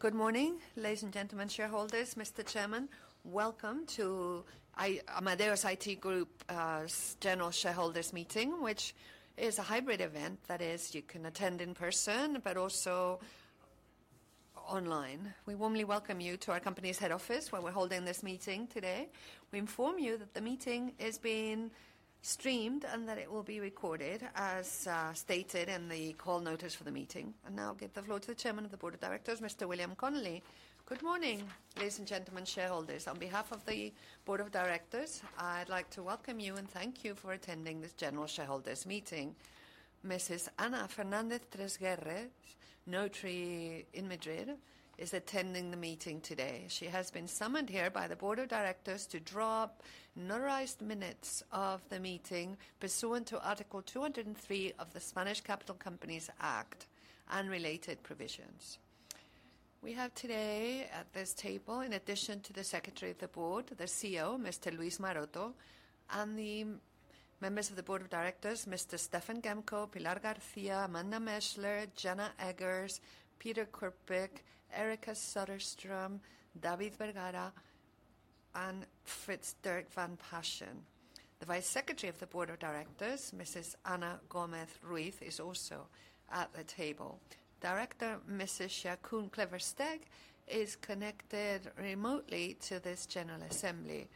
Good morning, ladies and gentlemen shareholders, Mr. Chairman. Welcome to Amadeus IT Group's general shareholders meeting, which is a hybrid event that you can attend in person but also online. We warmly welcome you to our company's head office where we're holding this meeting today. We inform you that the meeting is being streamed and that it will be recorded, as stated in the call notice for the meeting. I will now give the floor to the Chairman of the Board of Directors, Mr. William Connelly. Good morning, ladies and gentlemen shareholders. On behalf of the Board of Directors, I'd like to welcome you and thank you for attending this general shareholders meeting. Mrs. Ana Fernández-Tresguerres, notary in Madrid, is attending the meeting today. She has been summoned here by the Board of Directors to draw up notarized minutes of the meeting pursuant to Article 203 of the Spanish Capital Companies Act and related provisions. We have today at this table, in addition to the Secretary of the Board, the CEO, Mr. Luis Maroto, and the members of the Board of Directors, Mr. Stefan Gemkow, Pilar Aljovín, Amanda Mesler, Jana Eggers, Peter Kröpke, Erika Söderström, David Vergara, and Frits van Paasschen. The Vice Secretary of the Board of Directors, Mrs. Ana Gómez Ruiz, is also at the table. Director Mrs. Jacomijn Kleversteg is connected remotely to this general assembly,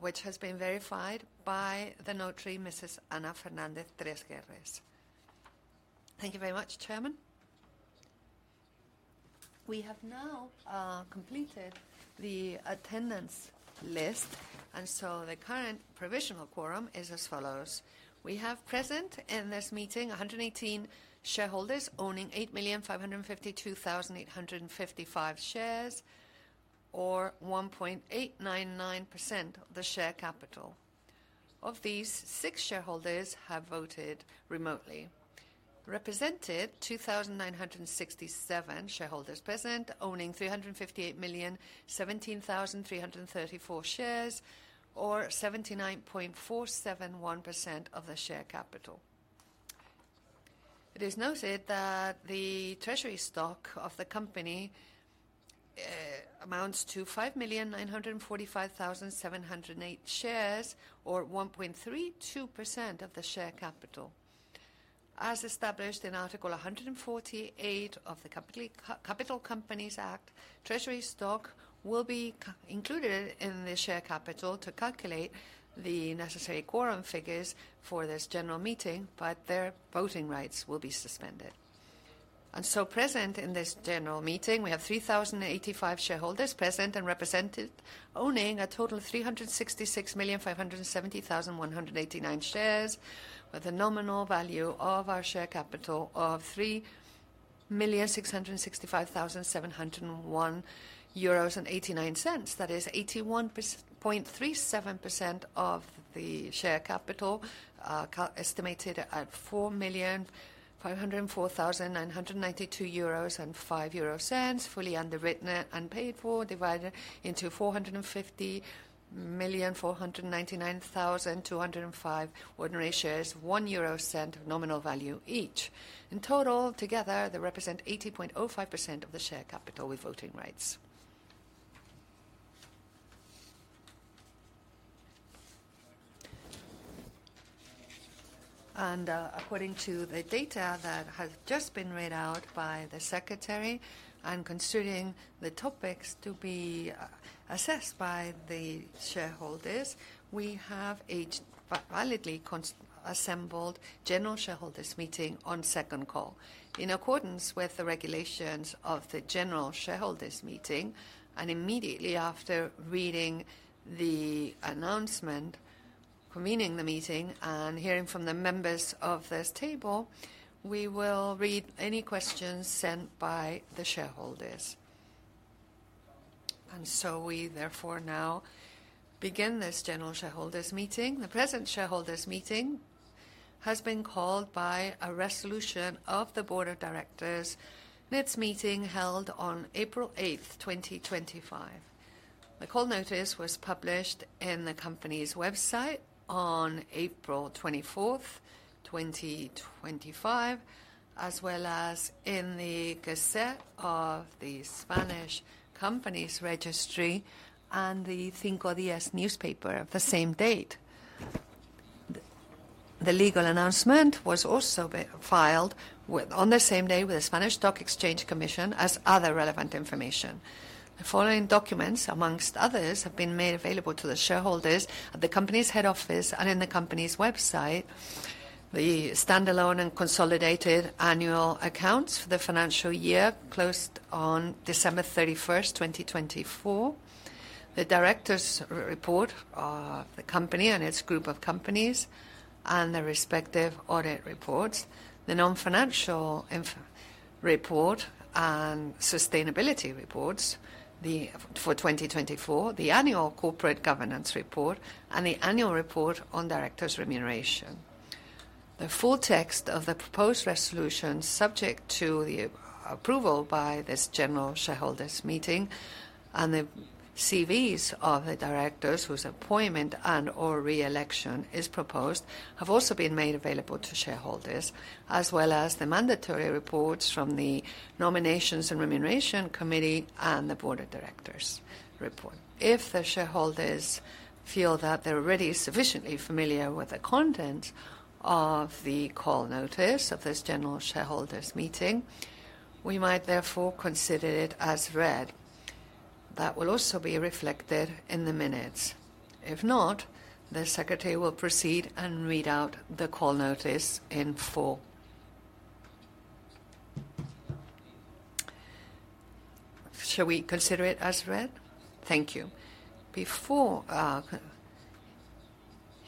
which has been verified by the notary, Mrs. Ana Fernández-Tresguerres. Thank you very much, Chairman. We have now completed the attendance list, and so the current provisional quorum is as follows. We have present in this meeting 118 shareholders owning 8,552,855 shares, or 1.899% of the share capital. Of these, 6 shareholders have voted remotely. Represented 2,967 shareholders present owning 358,017,334 shares, or 79.471% of the share capital. It is noted that the treasury stock of the company amounts to 5,945,708 shares, or 1.32% of the share capital. As established in Article 148 of the Capital Companies Act, treasury stock will be included in the share capital to calculate the necessary quorum figures for this general meeting, but their voting rights will be suspended. Present in this general meeting, we have 3,085 shareholders present and represented, owning a total of 366,570,189 shares, with a nominal value of our share capital of 3,665,701.89 euros. That is 81.37% of the share capital, estimated at 4,504,992.05 euros, fully underwritten and paid for, divided into 450,499,205 ordinary shares, 1.00 euro nominal value each. In total, together, they represent 80.05% of the share capital with voting rights. According to the data that has just been read out by the Secretary, and considering the topics to be assessed by the shareholders, we have a validly assembled general shareholders meeting on second call. In accordance with the regulations of the general shareholders meeting, and immediately after reading the announcement, convening the meeting, and hearing from the members of this table, we will read any questions sent by the shareholders. We, therefore, now begin this general shareholders meeting. The present shareholders meeting has been called by a resolution of the Board of Directors, and its meeting held on April 8, 2025. The call notice was published in the company's website on April 24, 2025, as well as in the Gazette of the Spanish Companies Registry and the Cinco Días newspaper of the same date. The legal announcement was also filed on the same day with the Spanish Stock Exchange Commission as other relevant information. The following documents, amongst others, have been made available to the shareholders at the company's head office and in the company's website. The standalone and consolidated annual accounts for the financial year closed on December 31st, 2024, the director's report of the company and its group of companies, and the respective audit reports, the non-financial report and sustainability reports for 2024, the annual corporate governance report, and the annual report on directors' remuneration. The full text of the proposed resolutions, subject to the approval by this general shareholders meeting, and the CVs of the directors whose appointment and/or re-election is proposed, have also been made available to shareholders, as well as the mandatory reports from the nominations and remuneration committee and the board of directors report. If the shareholders feel that they're already sufficiently familiar with the content of the call notice of this general shareholders meeting, we might, therefore, consider it as read. That will also be reflected in the minutes. If not, the Secretary will proceed and read out the call notice in full. Shall we consider it as read? Thank you. Before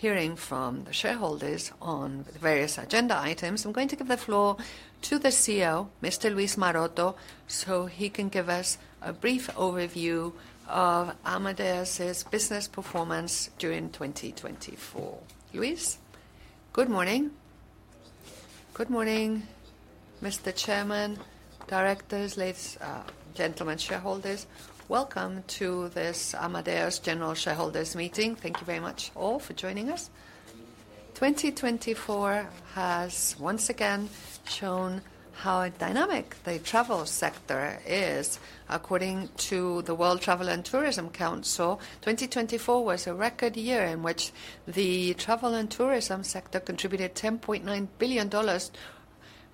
hearing from the shareholders on various agenda items, I'm going to give the floor to the CEO, Mr. Luis Maroto, so he can give us a brief overview of Amadeus' business performance during 2024. Luis? Good morning. Good morning. Good morning, Mr. Chairman, directors, ladies and gentlemen shareholders. Welcome to this Amadeus general shareholders meeting. Thank you very much all for joining us. 2024 has once again shown how dynamic the travel sector is. According to the World Travel and Tourism Council, 2024 was a record year in which the travel and tourism sector contributed $10.9 billion,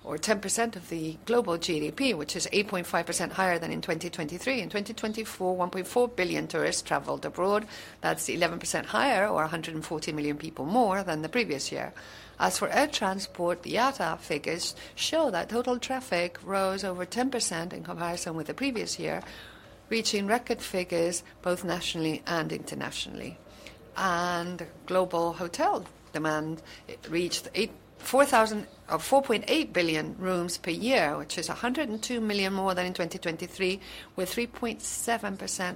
or 10% of the global GDP, which is 8.5% higher than in 2023. In 2024, 1.4 billion tourists traveled abroad. That's 11% higher, or 140 million people more than the previous year. As for air transport, the IATA figures show that total traffic rose over 10% in comparison with the previous year, reaching record figures both nationally and internationally. Global hotel demand reached 4.8 billion rooms per year, which is 102 million more than in 2023, with 3.7%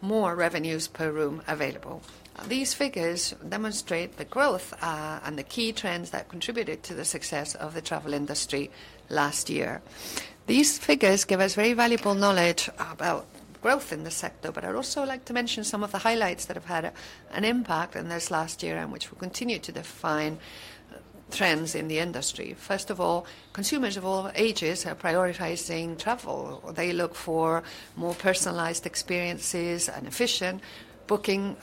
more revenues per room available. These figures demonstrate the growth and the key trends that contributed to the success of the travel industry last year. These figures give us very valuable knowledge about growth in the sector, but I'd also like to mention some of the highlights that have had an impact in this last year and which will continue to define trends in the industry. First of all, consumers of all ages are prioritizing travel. They look for more personalized experiences and efficient booking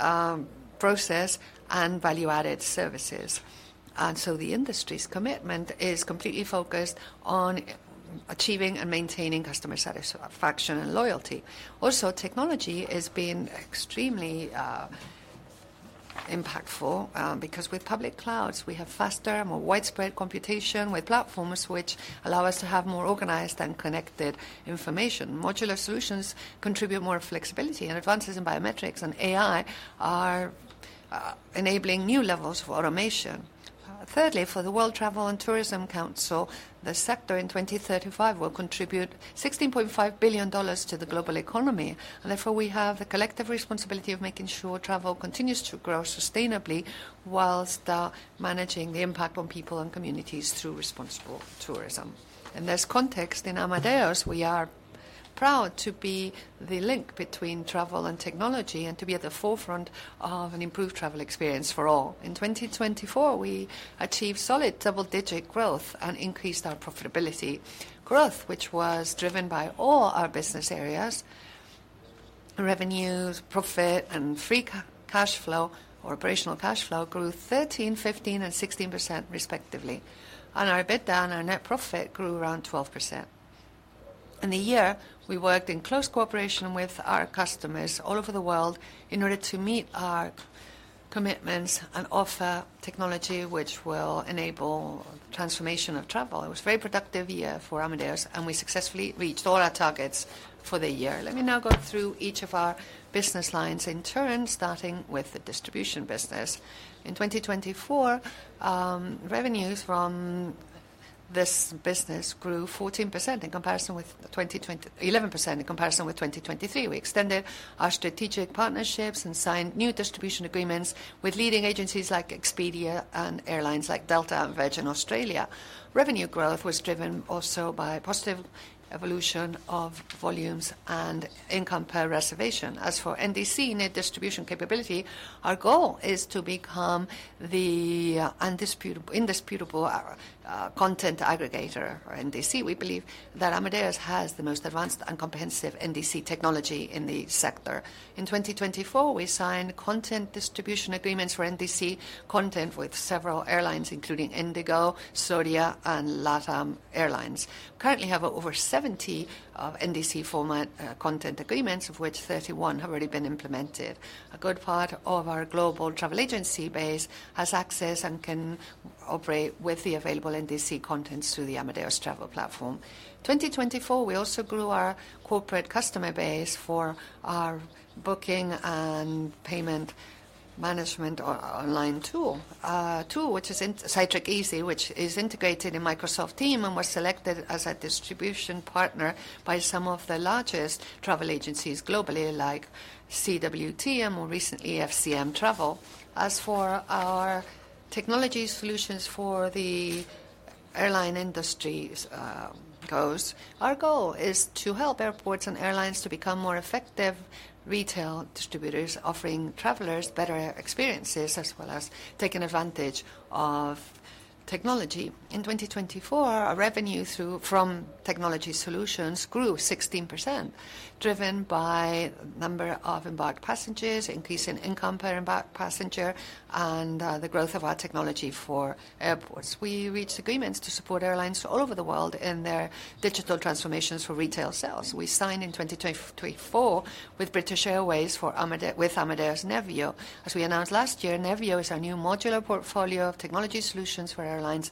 processes and value-added services. The industry's commitment is completely focused on achieving and maintaining customer satisfaction and loyalty. Also, technology is being extremely impactful because with public clouds, we have faster and more widespread computation with platforms which allow us to have more organized and connected information. Modular solutions contribute more flexibility, and advances in biometrics and AI are enabling new levels of automation. Thirdly, for the World Travel and Tourism Council, the sector in 2035 will contribute $16.5 billion to the global economy. Therefore, we have the collective responsibility of making sure travel continues to grow sustainably whilst managing the impact on people and communities through responsible tourism. In this context, in Amadeus, we are proud to be the link between travel and technology and to be at the forefront of an improved travel experience for all. In 2024, we achieved solid double-digit growth and increased our profitability growth, which was driven by all our business areas. Revenue, profit, and free cash flow, or operational cash flow, grew 13%, 15%, and 16%, respectively. Our EBITDA and our net profit grew around 12%. In the year, we worked in close cooperation with our customers all over the world in order to meet our commitments and offer technology which will enable the transformation of travel. It was a very productive year for Amadeus, and we successfully reached all our targets for the year. Let me now go through each of our business lines in turn, starting with the distribution business. In 2024, revenues from this business grew 14% in comparison with 2020, 11% in comparison with 2023. We extended our strategic partnerships and signed new distribution agreements with leading agencies like Expedia and airlines like Delta and Virgin Australia. Revenue growth was driven also by positive evolution of volumes and income per reservation. As for NDC, our goal is to become the indisputable content aggregator for NDC. We believe that Amadeus has the most advanced and comprehensive NDC technology in the sector. In 2024, we signed content distribution agreements for NDC content with several airlines, including IndiGo, SAS, and LATAM Airlines. Currently, we have over 70 NDC format content agreements, of which 31 have already been implemented. A good part of our global travel agency base has access and can operate with the available NDC contents through the Amadeus Travel Platform. In 2024, we also grew our corporate customer base for our booking and payment management online tool, which is Amadeus Cytric Easy, which is integrated in Microsoft Teams and was selected as a distribution partner by some of the largest travel agencies globally, like CWT and more recently FCM Travel. As for our technology solutions for the airline industry goals, our goal is to help airports and airlines to become more effective retail distributors, offering travelers better experiences as well as taking advantage of technology. In 2024, our revenue from technology solutions grew 16%, driven by the number of embarked passengers, increase in income per embarked passenger, and the growth of our technology for airports. We reached agreements to support airlines all over the world in their digital transformations for retail sales. We signed in 2024 with British Airways with Amadeus Navio. As we announced last year, Navio is our new modular portfolio of technology solutions for airlines,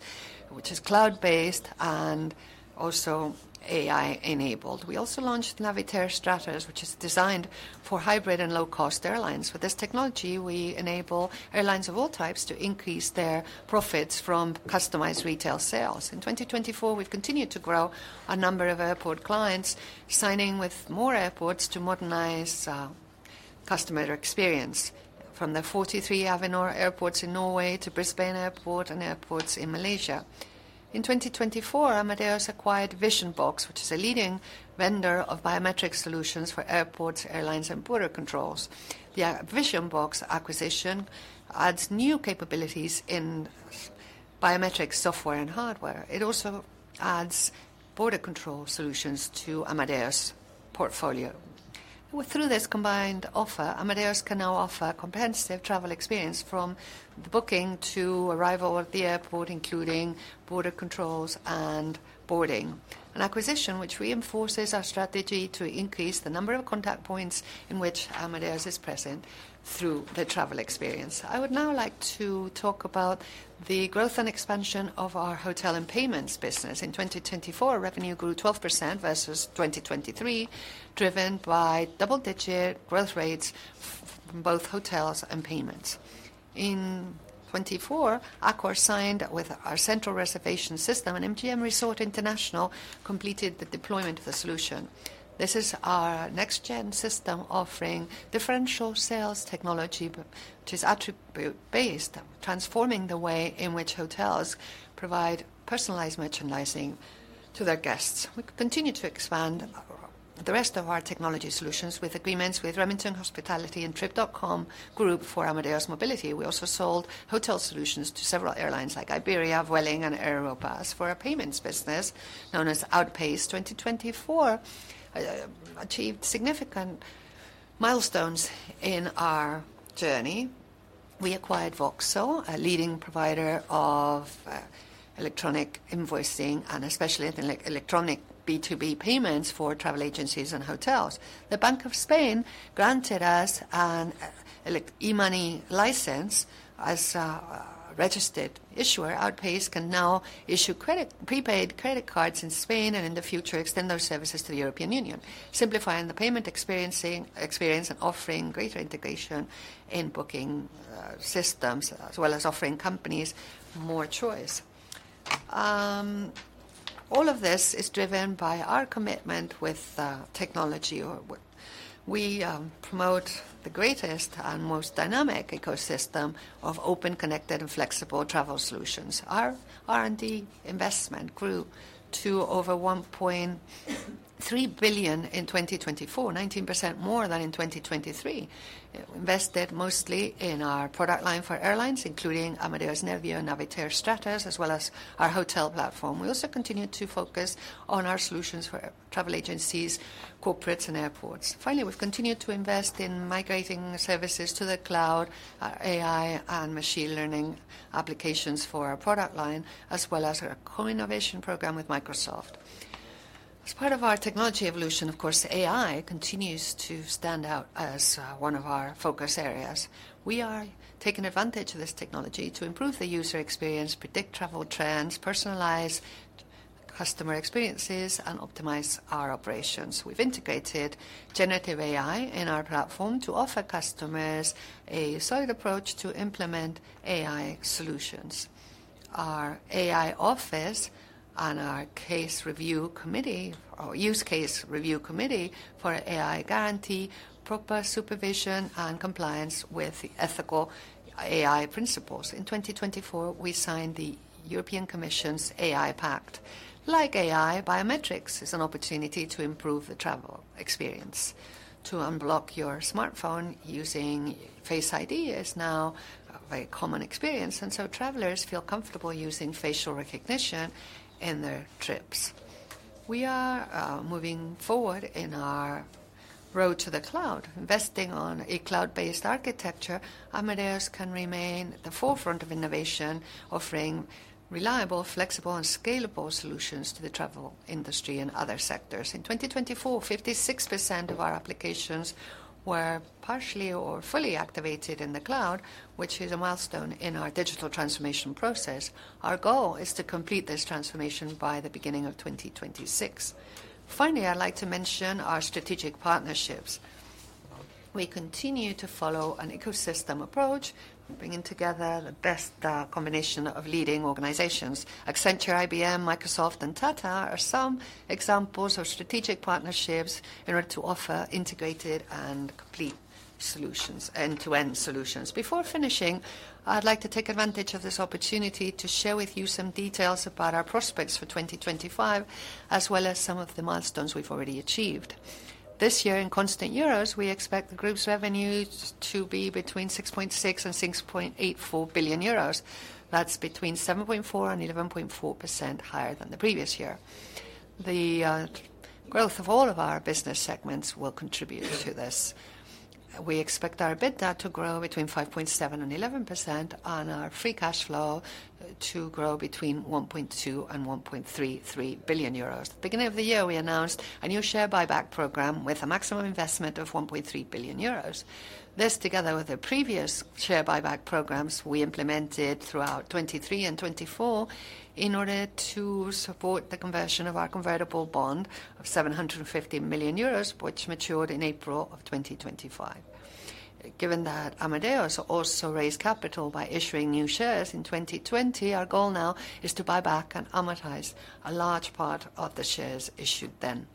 which is cloud-based and also AI-enabled. We also launched Navitaire Stratus, which is designed for hybrid and low-cost airlines. With this technology, we enable airlines of all types to increase their profits from customized retail sales. In 2024, we've continued to grow a number of airport clients, signing with more airports to modernize customer experience, from the 43 Avinor airports in Norway to Brisbane Airport and airports in Malaysia. In 2024, Amadeus acquired Vision-Box, which is a leading vendor of biometric solutions for airports, airlines, and border controls. The Vision-Box acquisition adds new capabilities in biometric software and hardware. It also adds border control solutions to Amadeus' portfolio. Through this combined offer, Amadeus can now offer a comprehensive travel experience from the booking to arrival at the airport, including border controls and boarding. An acquisition which reinforces our strategy to increase the number of contact points in which Amadeus is present through the travel experience. I would now like to talk about the growth and expansion of our hotel and payments business. In 2024, revenue grew 12% versus 2023, driven by double-digit growth rates from both hotels and payments. In 2024, AQOR signed with our central reservation system, and MGM Resorts International completed the deployment of the solution. This is our next-gen system offering differential sales technology, which is attribute-based, transforming the way in which hotels provide personalized merchandising to their guests. We continue to expand the rest of our technology solutions with agreements with Remington Hospitality and Trip.com Group for Amadeus Mobility. We also sold hotel solutions to several airlines like Iberia, Vueling, and Aeropass. For our payments business, known as Outpays, 2024 achieved significant milestones in our journey. We acquired Voxo, a leading provider of electronic invoicing and especially electronic B2B payments for travel agencies and hotels. The Bank of Spain granted us an e-money license as a registered issuer. Outpays can now issue prepaid credit cards in Spain and in the future extend those services to the European Union, simplifying the payment experience and offering greater integration in booking systems, as well as offering companies more choice. All of this is driven by our commitment with technology. We promote the greatest and most dynamic ecosystem of open, connected, and flexible travel solutions. Our R&D investment grew to over $1.3 billion in 2024, 19% more than in 2023. We invested mostly in our product line for airlines, including Amadeus Navio and Navitaire Stratus, as well as our hotel platform. We also continue to focus on our solutions for travel agencies, corporates, and airports. Finally, we've continued to invest in migrating services to the cloud, AI, and machine learning applications for our product line, as well as our co-innovation program with Microsoft. As part of our technology evolution, of course, AI continues to stand out as one of our focus areas. We are taking advantage of this technology to improve the user experience, predict travel trends, personalize customer experiences, and optimize our operations. We've integrated generative AI in our platform to offer customers a solid approach to implement AI solutions. Our AI office and our use case review committee for AI guarantee proper supervision and compliance with ethical AI principles. In 2024, we signed the European Commission's AI Pact. Like AI, biometrics is an opportunity to improve the travel experience. To unblock your smartphone using Face ID is now a very common experience, and travelers feel comfortable using facial recognition in their trips. We are moving forward in our road to the cloud. Investing on a cloud-based architecture, Amadeus can remain at the forefront of innovation, offering reliable, flexible, and scalable solutions to the travel industry and other sectors. In 2024, 56% of our applications were partially or fully activated in the cloud, which is a milestone in our digital transformation process. Our goal is to complete this transformation by the beginning of 2026. Finally, I'd like to mention our strategic partnerships. We continue to follow an ecosystem approach, bringing together the best combination of leading organizations. Accenture, IBM, Microsoft, and Tata are some examples of strategic partnerships in order to offer integrated and complete solutions, end-to-end solutions. Before finishing, I'd like to take advantage of this opportunity to share with you some details about our prospects for 2025, as well as some of the milestones we've already achieved. This year, in constant euros, we expect the group's revenues to be between 6.6 billion and 6.84 billion euros. That's between 7.4% and 11.4% higher than the previous year. The growth of all of our business segments will contribute to this. We expect our EBITDA to grow between 5.7% and 11%, and our free cash flow to grow between 1.2 billion and 1.33 billion euros. At the beginning of the year, we announced a new share buyback program with a maximum investment of 1.3 billion euros. This, together with the previous share buyback programs we implemented throughout 2023 and 2024, is in order to support the conversion of our convertible bond of 750 million euros, which matured in April of 2025. Given that Amadeus also raised capital by issuing new shares in 2020, our goal now is to buy back and amortize a large part of the shares issued then.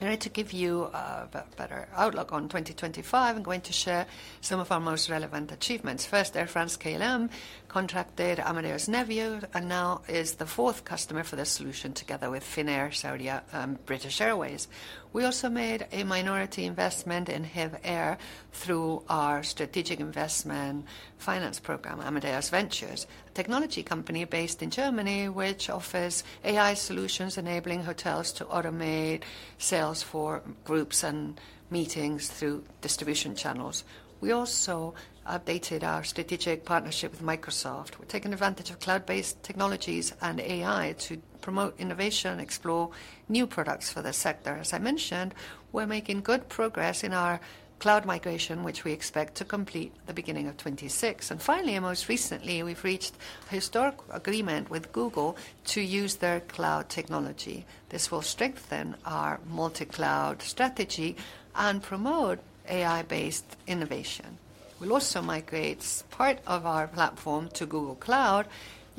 In order to give you a better outlook on 2025, I'm going to share some of our most relevant achievements. First, Air France-KLM contracted Amadeus Navio and now is the fourth customer for the solution, together with Finnair, SAS, and British Airways. We also made a minority investment in HiJiffy through our strategic investment finance program, Amadeus Ventures, a technology company based in Germany which offers AI solutions enabling hotels to automate sales for groups and meetings through distribution channels. We also updated our strategic partnership with Microsoft. We're taking advantage of cloud-based technologies and AI to promote innovation and explore new products for the sector. As I mentioned, we're making good progress in our cloud migration, which we expect to complete at the beginning of 2026. Most recently, we've reached a historic agreement with Google to use their cloud technology. This will strengthen our multi-cloud strategy and promote AI-based innovation. We'll also migrate part of our platform to Google Cloud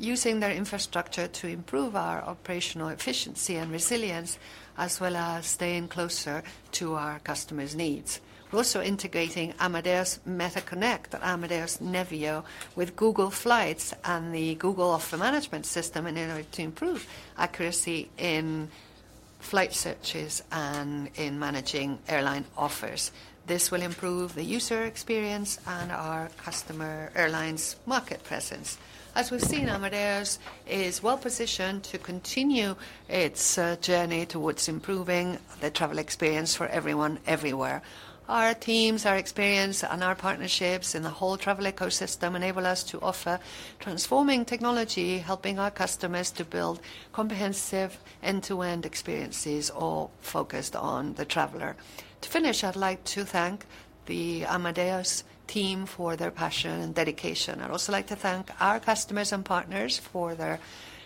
using their infrastructure to improve our operational efficiency and resilience, as well as staying closer to our customers' needs. We're also integrating Amadeus MetaConnect, Amadeus Navio with Google Flights and the Google Offer Management System in order to improve accuracy in flight searches and in managing airline offers. This will improve the user experience and our customer airlines' market presence. As we've seen, Amadeus is well-positioned to continue its journey towards improving the travel experience for everyone, everywhere. Our teams, our experience, and our partnerships in the whole travel ecosystem enable us to offer transforming technology, helping our customers to build comprehensive end-to-end experiences all focused on the traveler. To finish, I'd like to thank the Amadeus team for their passion and dedication. I'd also like to thank our customers and partners for their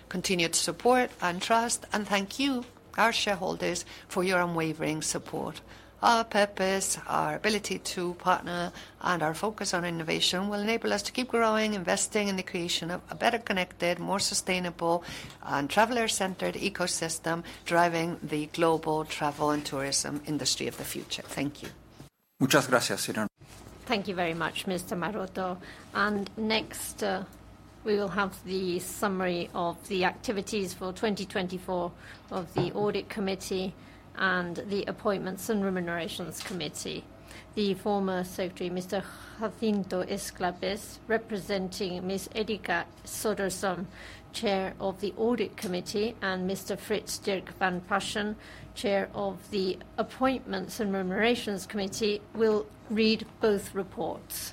continued support and trust, and thank you, our shareholders, for your unwavering support. Our purpose, our ability to partner, and our focus on innovation will enable us to keep growing, investing in the creation of a better connected, more sustainable, and traveler-centered ecosystem driving the global travel and tourism industry of the future. Thank you. Muchas gracias. Thank you very much, Mr. Maroto. Next, we will have the summary of the activities for 2024 of the Audit Committee and the Appointments and Remunerations Committee. The former Secretary, Mr. Jacinto Esclaves, representing Ms. Erika Söderström, Chair of the Audit Committee, and Mr. Frits van Paasschen, Chair of the Appointments and Remunerations Committee, will read both reports.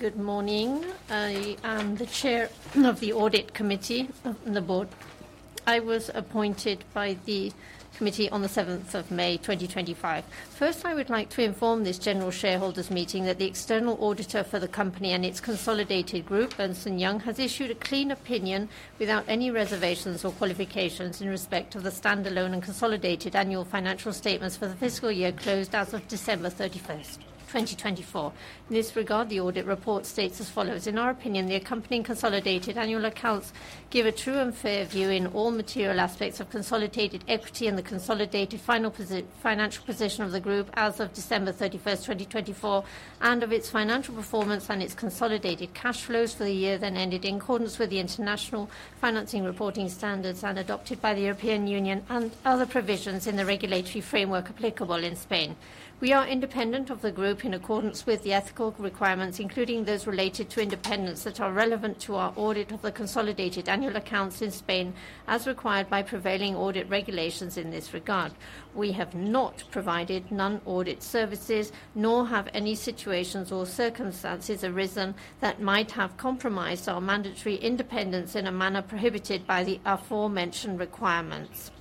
Good morning. I am the Chair of the Audit Committee on the board. I was appointed by the committee on the 7th of May, 2025. First, I would like to inform this general shareholders' meeting that the external auditor for the company and its consolidated group, Ernst & Young, has issued a clean opinion without any reservations or qualifications in respect of the standalone and consolidated annual financial statements for the fiscal year closed as of December 31st, 2024. In this regard, the audit report states as follows. In our opinion, the accompanying consolidated annual accounts give a true and fair view in all material aspects of consolidated equity and the consolidated final financial position of the group as of December 31st, 2024, and of its financial performance and its consolidated cash flows for the year that ended in accordance with the international financing reporting standards and adopted by the European Union and other provisions in the regulatory framework applicable in Spain. We are independent of the group in accordance with the ethical requirements, including those related to independence that are relevant to our audit of the consolidated annual accounts in Spain, as required by prevailing audit regulations in this regard. We have not provided non-audit services, nor have any situations or circumstances arisen that might have compromised our mandatory independence in a manner prohibited by the aforementioned requirements.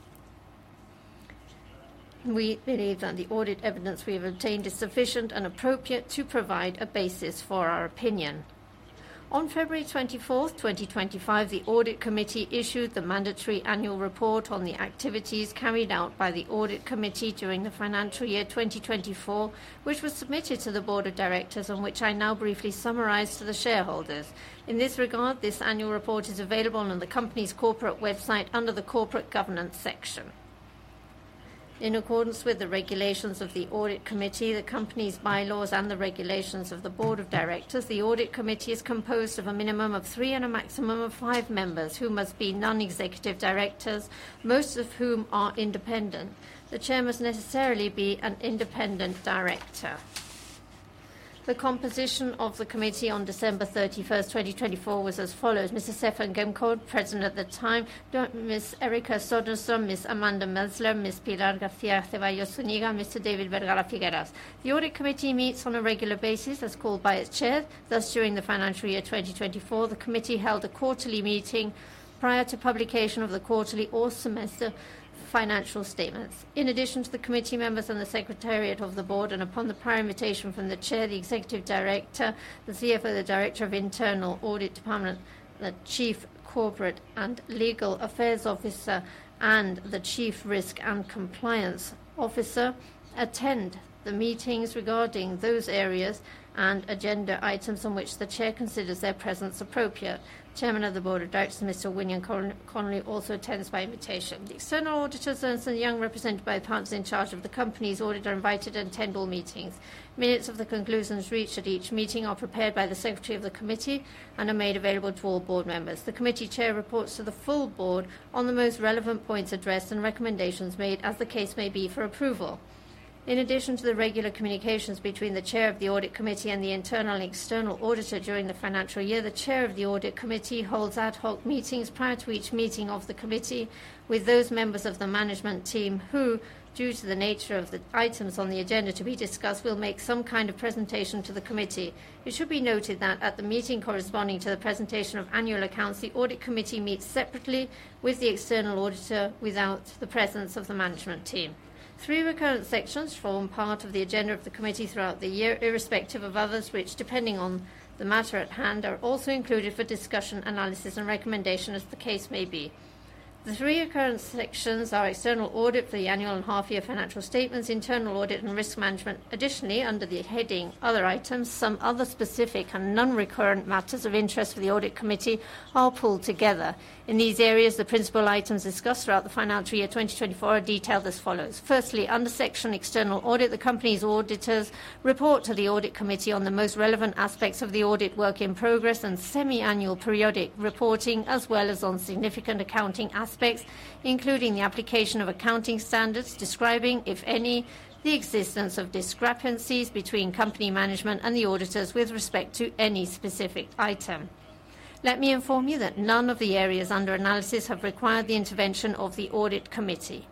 We believe that the audit evidence we have obtained is sufficient and appropriate to provide a basis for our opinion. On February 24th, 2025, the Audit Committee issued the mandatory annual report on the activities carried out by the Audit Committee during the financial year 2024, which was submitted to the Board of Directors, and which I now briefly summarize to the shareholders. In this regard, this annual report is available on the company's corporate website under the Corporate Governance section. In accordance with the regulations of the Audit Committee, the company's bylaws and the regulations of the Board of Directors, the Audit Committee is composed of a minimum of three and a maximum of five members who must be non-executive directors, most of whom are independent. The chair must necessarily be an independent director. The composition of the committee on December 31, 2024, was as follows. Mr. Stefan Gemkow, President at the time, Ms. Erika Söderström, Ms. Amanda Mesler, Ms. Pilar Aljovín, Mr. David Vergara Figueras. The Audit Committee meets on a regular basis, as called by its chair. Thus, during the financial year 2024, the committee held a quarterly meeting prior to publication of the quarterly or semester financial statements. In addition to the committee members and the secretariat of the board, and upon the prior invitation from the chair, the executive director, the CFO, the director of internal audit department, the Chief Corporate and Legal Affairs Officer, and the Chief Risk and Compliance Officer attend the meetings regarding those areas and agenda items on which the chair considers their presence appropriate. Chairman of the Board of Directors, Mr. William Connelly, also attends by invitation. The external auditors, Ernst & Young, represented by the partners in charge of the companies, auditor, invited and attendable meetings. Minutes of the conclusions reached at each meeting are prepared by the secretary of the committee and are made available to all board members. The committee chair reports to the full board on the most relevant points addressed and recommendations made, as the case may be for approval. In addition to the regular communications between the Chair of the Audit Committee and the internal and external auditor during the financial year, the Chair of the Audit Committee holds ad hoc meetings prior to each meeting of the committee with those members of the management team who, due to the nature of the items on the agenda to be discussed, will make some kind of presentation to the committee. It should be noted that at the meeting corresponding to the presentation of annual accounts, the Audit Committee meets separately with the external auditor without the presence of the management team. Three recurrent sections form part of the agenda of the committee throughout the year, irrespective of others, which, depending on the matter at hand, are also included for discussion, analysis, and recommendation, as the case may be. The three recurrent sections are external audit for the annual and half-year financial statements, internal audit, and risk management. Additionally, under the heading Other Items, some other specific and non-recurrent matters of interest for the Audit Committee are pulled together. In these areas, the principal items discussed throughout the financial year 2024 are detailed as follows. Firstly, under section External Audit, the company's auditors report to the Audit Committee on the most relevant aspects of the audit work in progress and semi-annual periodic reporting, as well as on significant accounting aspects, including the application of accounting standards, describing, if any, the existence of discrepancies between company management and the auditors with respect to any specific item. Let me inform you that none of the areas under analysis have required the intervention of the Audit Committee.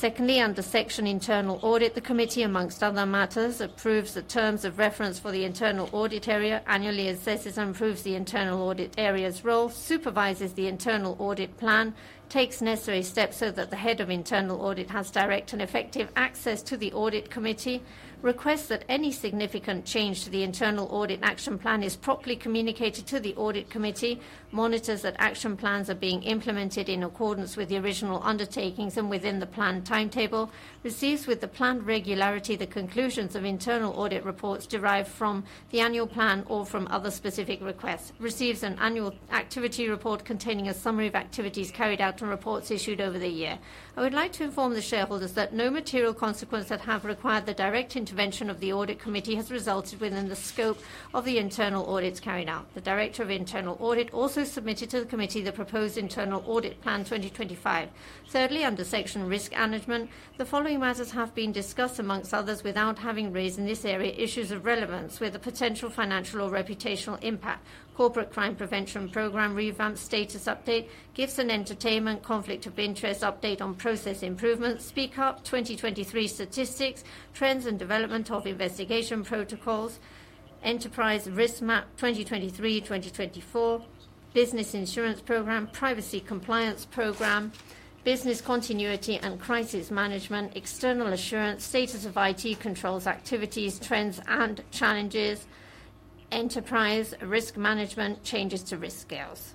Secondly, under section Internal Audit, the committee, amongst other matters, approves the terms of reference for the internal audit area, annually assesses and improves the internal audit area's role, supervises the internal audit plan, takes necessary steps so that the head of internal audit has direct and effective access to the Audit Committee, requests that any significant change to the internal audit action plan is properly communicated to the Audit Committee, monitors that action plans are being implemented in accordance with the original undertakings and within the planned timetable, receives with the planned regularity the conclusions of internal audit reports derived from the annual plan or from other specific requests, receives an annual activity report containing a summary of activities carried out and reports issued over the year. I would like to inform the shareholders that no material consequences that have required the direct intervention of the Audit Committee have resulted within the scope of the internal audits carried out. The Director of Internal Audit also submitted to the committee the proposed internal audit plan 2025. Thirdly, under section Risk Management, the following matters have been discussed, amongst others, without having raised in this area issues of relevance with the potential financial or reputational impact. Corporate Crime Prevention Program revamp status update, gifts and entertainment, conflict of interest update on process improvements, Speak Up 2023 statistics, trends and development of investigation protocols, enterprise risk map 2023-2024, business insurance program, privacy compliance program, business continuity and crisis management, external assurance, status of IT controls activities, trends and challenges, enterprise risk management, changes to risk scales.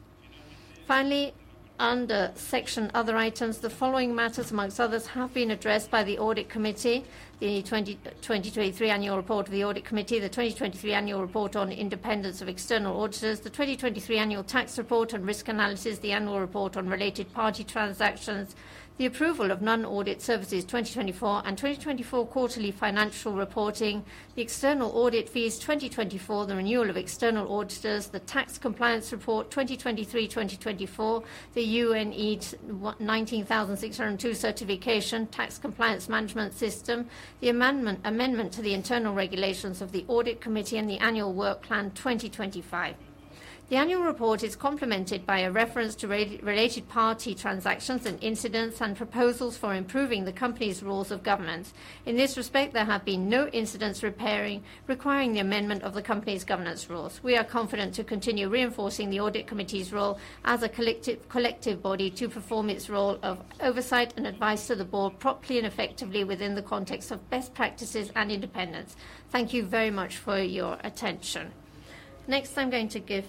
Finally, under section Other Items, the following matters, amongst others, have been addressed by the Audit Committee: the 2023 annual report of the Audit Committee, the 2023 annual report on independence of external auditors, the 2023 annual tax report and risk analysis, the annual report on related party transactions, the approval of non-audit services 2024, and 2024 quarterly financial reporting, the external audit fees 2024, the renewal of external auditors, the tax compliance report 2023-2024, the UNE 19602 certification tax compliance management system, the amendment to the internal regulations of the Audit Committee and the annual work plan 2025. The annual report is complemented by a reference to related party transactions and incidents and proposals for improving the company's rules of governance. In this respect, there have been no incidents requiring the amendment of the company's governance rules. We are confident to continue reinforcing the Audit Committee's role as a collective body to perform its role of oversight and advice to the Board properly and effectively within the context of best practices and independence. Thank you very much for your attention. Next, I'm going to give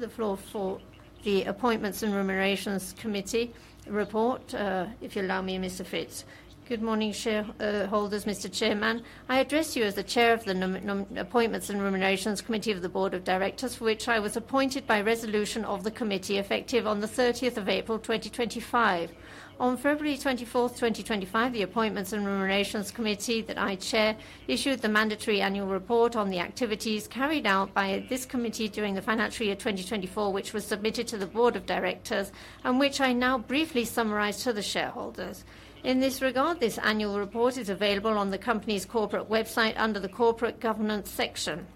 the floor for the Appointments and Remunerations Committee report, if you allow me, Mr. Frits. Good morning, shareholders, Mr. Chairman. I address you as the Chair of the Appointments and Remunerations Committee of the Board of Directors, for which I was appointed by resolution of the committee effective on the 30th of April 2025. On February 24th, 2025, the Appointments and Remunerations Committee that I chair issued the mandatory annual report on the activities carried out by this committee during the financial year 2024, which was submitted to the Board of Directors, and which I now briefly summarize to the shareholders. In this regard, this annual report is available on the company's corporate website under the Corporate Governance section.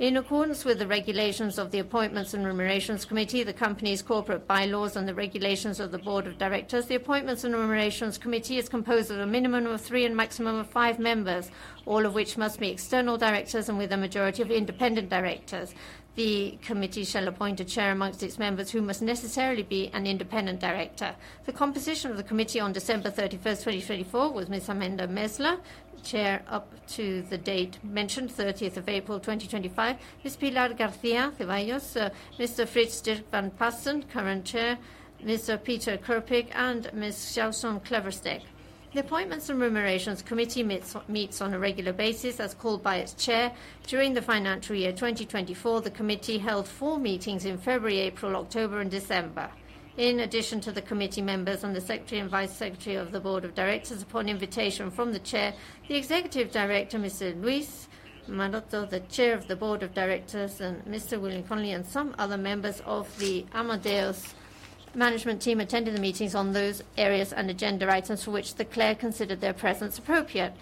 In accordance with the regulations of the Appointments and Remunerations Committee, the company's corporate bylaws and the regulations of the Board of Directors, the Appointments and Remunerations Committee is composed of a minimum of three and a maximum of five members, all of which must be external directors and with a majority of independent directors. The committee shall appoint a chair amongst its members who must necessarily be an independent director. The composition of the committee on December 31, 2024, was Ms. Amanda Mesler, chair up to the date mentioned, April 30, 2025, Ms. Pilar Aljovín, Mr. Frits van Paasschen, current chair, Mr. Peter Kröpke, and Ms. Jacomijn Kleversteg. The Appointments and Remunerations Committee meets on a regular basis, as called by its chair. During the financial year 2024, the committee held four meetings in February, April, October, and December. In addition to the committee members and the Secretary and Vice Secretary of the Board of Directors, upon invitation from the Chair, the Executive Director, Mr. Luis Maroto, the Chair of the Board of Directors, and Mr. William Connelly, and some other members of the Amadeus management team attended the meetings on those areas and agenda items for which the clerk considered their presence appropriate.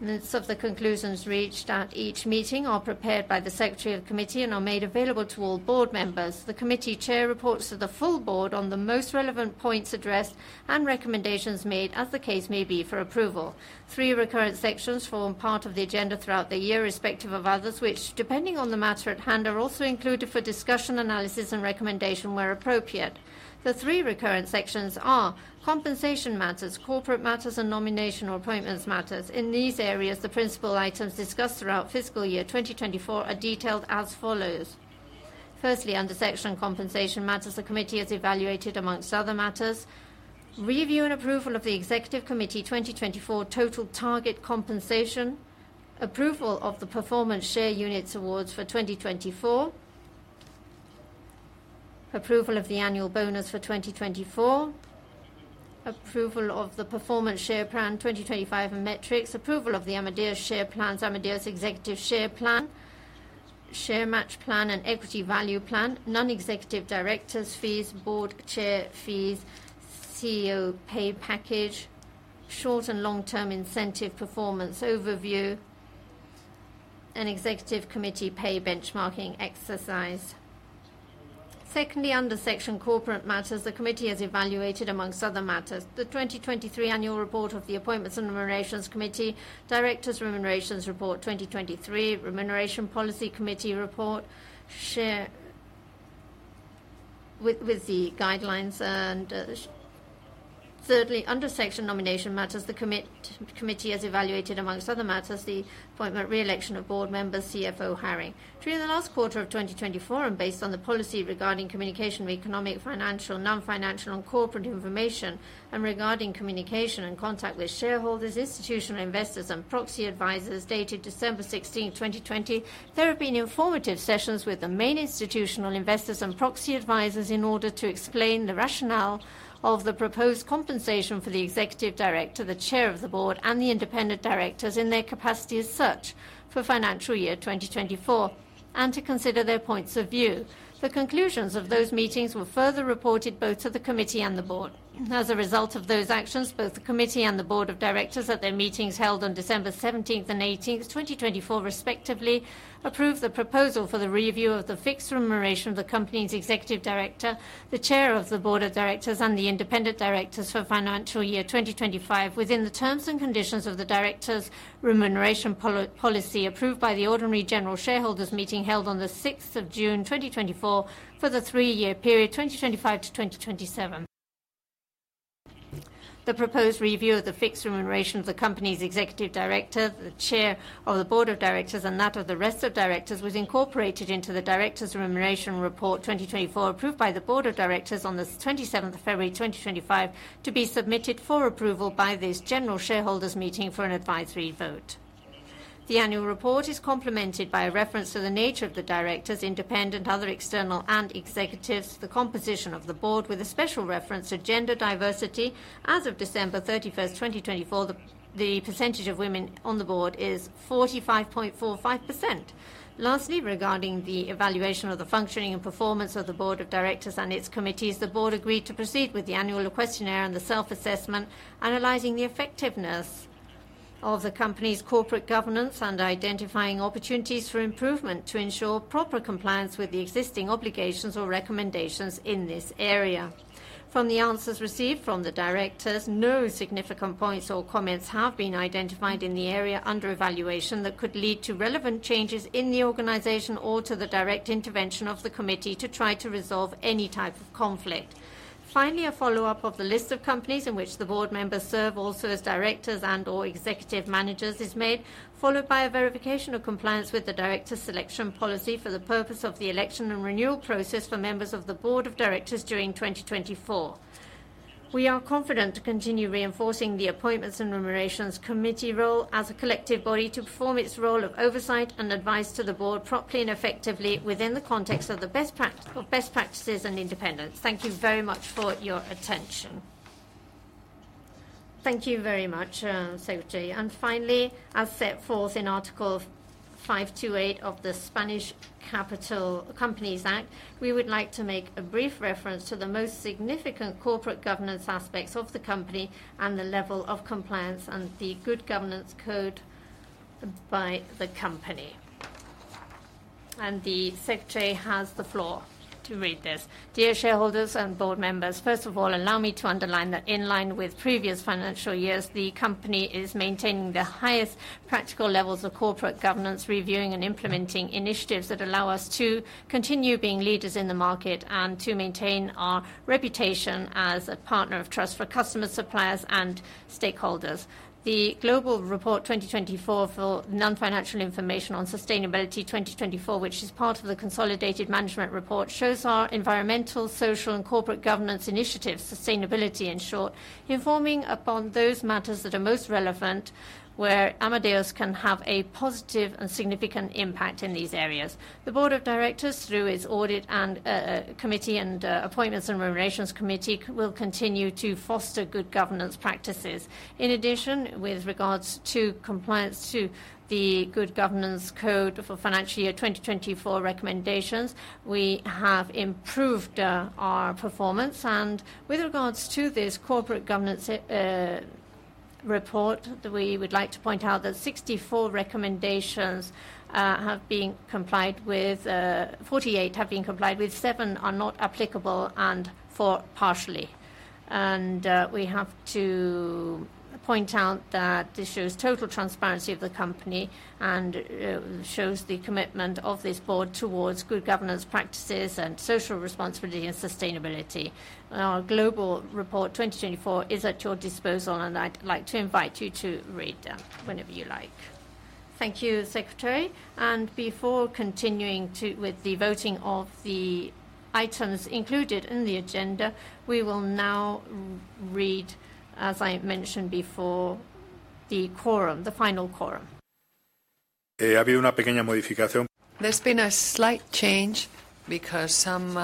Notes of the conclusions reached at each meeting are prepared by the Secretary of the committee and are made available to all board members. The committee Chair reports to the full board on the most relevant points addressed and recommendations made, as the case may be, for approval. Three recurrent sections form part of the agenda throughout the year, respective of others, which, depending on the matter at hand, are also included for discussion, analysis, and recommendation where appropriate. The three recurrent sections are compensation matters, corporate matters, and nomination or appointments matters. In these areas, the principal items discussed throughout fiscal year 2024 are detailed as follows. Firstly, under section compensation matters, the committee has evaluated, amongst other matters, review and approval of the executive committee 2024 total target compensation, approval of the performance share units awards for 2024, approval of the annual bonus for 2024, approval of the performance share plan 2025 metrics, approval of the Amadeus share plans, Amadeus executive share plan, share match plan, and equity value plan, non-executive directors' fees, board chair fees, CEO pay package, short and long-term incentive performance overview, and executive committee pay benchmarking exercise. Secondly, under section Corporate Matters, the committee has evaluated, amongst other matters, the 2023 annual report of the Appointments and Remunerations Committee, directors' remunerations report 2023, remuneration policy committee report with the guidelines. Thirdly, under section Nomination Matters, the committee has evaluated, amongst other matters, the appointment re-election of board member CFO Haring. During the last quarter of 2024, and based on the policy regarding communication of economic, financial, non-financial, and corporate information, and regarding communication and contact with shareholders, institutional investors, and proxy advisors dated December 16th, 2020, there have been informative sessions with the main institutional investors and proxy advisors in order to explain the rationale of the proposed compensation for the executive director, the Chair of the Board, and the independent directors in their capacity as such for financial year 2024, and to consider their points of view. The conclusions of those meetings were further reported both to the committee and the board. As a result of those actions, both the committee and the Board of Directors at their meetings held on December 17th and 18th, 2024, respectively, approved the proposal for the review of the fixed remuneration of the company's executive director, the Chair of the Board of Directors, and the independent directors for financial year 2025 within the terms and conditions of the directors' remuneration policy approved by the ordinary general shareholders meeting held on the 6th of June, 2024, for the three-year period 2025 to 2027. The proposed review of the fixed remuneration of the company's executive director, the Chair of the Board of Directors, and that of the rest of directors was incorporated into the directors' remuneration report 2024 approved by the Board of Directors on the 27th of February, 2025, to be submitted for approval by this general shareholders meeting for an advisory vote. The annual report is complemented by a reference to the nature of the directors, independent, other external, and executives, the composition of the board, with a special reference to gender diversity. As of December 31st, 2024, the percentage of women on the board is 45.45%. Lastly, regarding the evaluation of the functioning and performance of the Board of Directors and its committees, the Board agreed to proceed with the annual questionnaire and the self-assessment, analyzing the effectiveness of the company's corporate governance and identifying opportunities for improvement to ensure proper compliance with the existing obligations or recommendations in this area. From the answers received from the directors, no significant points or comments have been identified in the area under evaluation that could lead to relevant changes in the organization or to the direct intervention of the committee to try to resolve any type of conflict. Finally, a follow-up of the list of companies in which the board members serve also as directors and/or executive managers is made, followed by a verification of compliance with the director selection policy for the purpose of the election and renewal process for members of the board of directors during 2024. We are confident to continue reinforcing the Appointments and Remunerations Committee role as a collective body to perform its role of oversight and advice to the board properly and effectively within the context of best practices and independence. Thank you very much for your attention. Thank you very much, Seo Ji. Finally, as set forth in Article 528 of the Spanish Capital Companies Act, we would like to make a brief reference to the most significant corporate governance aspects of the company and the level of compliance and the good governance code by the company. The secretary has the floor to read this. Dear shareholders and board members, first of all, allow me to underline that in line with previous financial years, the company is maintaining the highest practical levels of corporate governance, reviewing and implementing initiatives that allow us to continue being leaders in the market and to maintain our reputation as a partner of trust for customers, suppliers, and stakeholders. The Global Report 2024 for Non-Financial Information on Sustainability 2024, which is part of the Consolidated Management Report, shows our environmental, social, and corporate governance initiatives, sustainability in short, informing upon those matters that are most relevant where Amadeus can have a positive and significant impact in these areas. The board of directors, through its Audit and Committee and Appointments and Remunerations Committee, will continue to foster good governance practices. In addition, with regards to compliance to the good governance code for financial year 2024 recommendations, we have improved our performance. With regards to this corporate governance report, we would like to point out that 64 recommendations have been complied with, 48 have been complied with, 7 are not applicable, and 4 partially. We have to point out that this shows total transparency of the company and shows the commitment of this board towards good governance practices and social responsibility and sustainability. Our Global Report 2024 is at your disposal, and I'd like to invite you to read that whenever you like. Thank you, Secretary. Before continuing with the voting of the items included in the agenda, we will now read, as I mentioned before, the quorum, the final quorum. Ha habido una pequeña modificación. There's been a slight change because some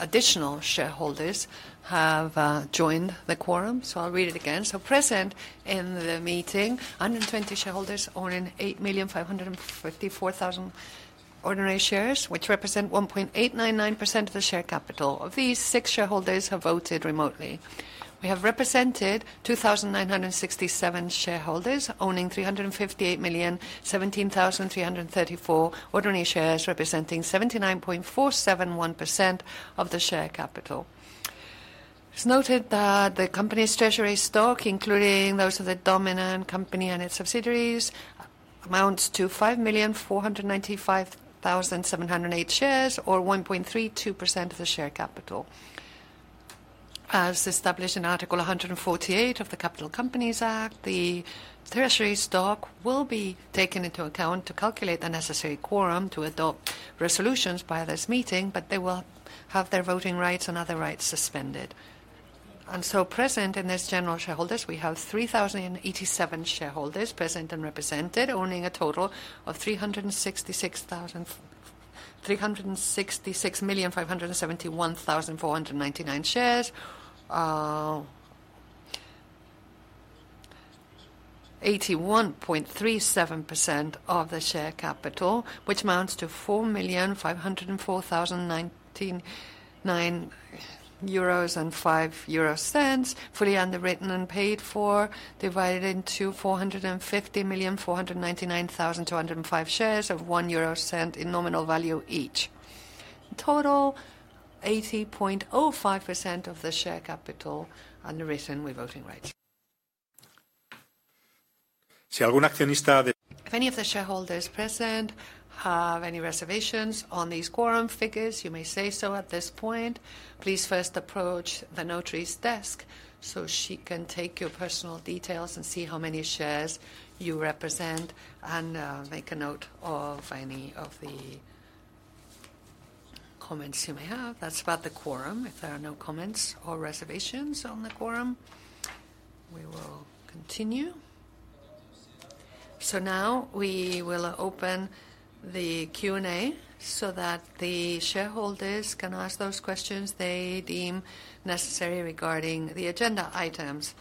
additional shareholders have joined the quorum. I'll read it again. Present in the meeting, 120 shareholders own 8,554,000 ordinary shares, which represent 1.899% of the share capital. Of these, six shareholders have voted remotely. We have represented 2,967 shareholders owning 358,017,334 ordinary shares, representing 79.471% of the share capital. It's noted that the company's treasury stock, including those of the dominant company and its subsidiaries, amounts to 5,495,708 shares, or 1.32% of the share capital. As established in Article 148 of the Capital Companies Act, the treasury stock will be taken into account to calculate the necessary quorum to adopt resolutions by this meeting, but they will have their voting rights and other rights suspended. Present in this general shareholders, we have 3,087 shareholders present and represented, owning a total of 366,571,499 shares, 81.37% of the share capital, which amounts to 4,504,099.05 euros, fully underwritten and paid for, divided into 450,499,205 shares of 0.01 in nominal value each. In total, 80.05% of the share capital underwritten with voting rights. Si algún accionista. If any of the shareholders present have any reservations on these quorum figures, you may say so at this point. Please first approach the notary's desk so she can take your personal details and see how many shares you represent and make a note of any of the comments you may have. That is about the quorum. If there are no comments or reservations on the quorum, we will continue. Now we will open the Q&A so that the shareholders can ask those questions they deem necessary regarding the agenda items.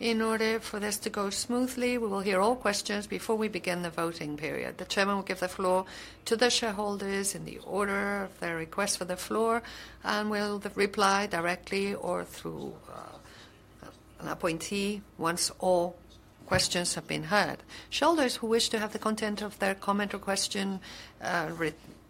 In order for this to go smoothly, we will hear all questions before we begin the voting period. The Chairman will give the floor to the shareholders in the order of their request for the floor and will reply directly or through an appointee once all questions have been heard. Shareholders who wish to have the content of their comment or question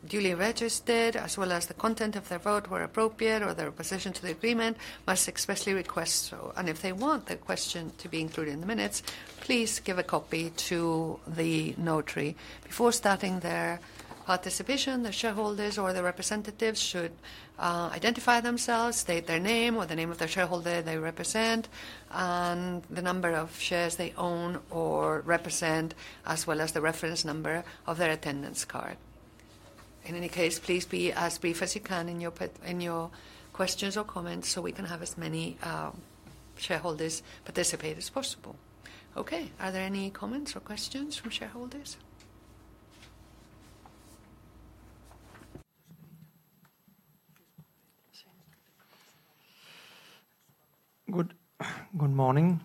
duly registered, as well as the content of their vote where appropriate or their opposition to the agreement, must expressly request so. If they want their question to be included in the minutes, please give a copy to the notary. Before starting their participation, the shareholders or the representatives should identify themselves, state their name or the name of the shareholder they represent, and the number of shares they own or represent, as well as the reference number of their attendance card. In any case, please be as brief as you can in your questions or comments so we can have as many shareholders participate as possible. Okay, are there any comments or questions from shareholders? Good morning.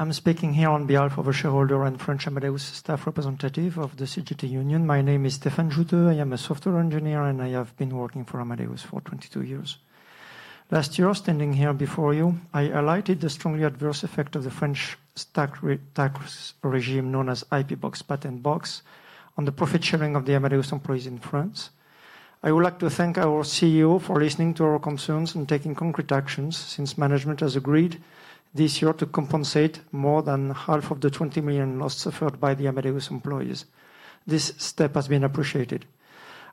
I'm speaking here on behalf of a shareholder and French Amadeus staff representative of the CGT Union. My name is Stéphane Juteau. I am a software engineer, and I have been working for Amadeus for 22 years. Last year, standing here before you, I alighted the strongly adverse effect of the French tax regime known as IP Box Patent Box on the profit sharing of the Amadeus employees in France. I would like to thank our CEO for listening to our concerns and taking concrete actions since management has agreed this year to compensate more than half of the 20 million loss suffered by the Amadeus employees. This step has been appreciated.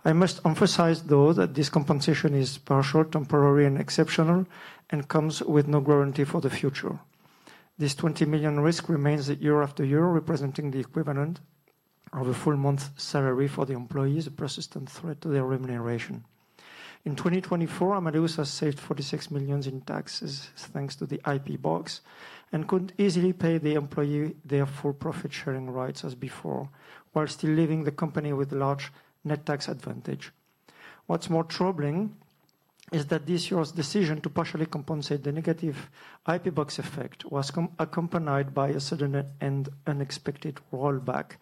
I must emphasize, though, that this compensation is partial, temporary, and exceptional, and comes with no guarantee for the future. This 20 million risk remains year after year, representing the equivalent of a full month's salary for the employees, a persistent threat to their remuneration. In 2024, Amadeus has saved 46 million in taxes thanks to the IP Box and could easily pay the employee their full profit sharing rights as before, while still leaving the company with a large net tax advantage. What's more troubling is that this year's decision to partially compensate the negative IP Box effect was accompanied by a sudden and unexpected rollback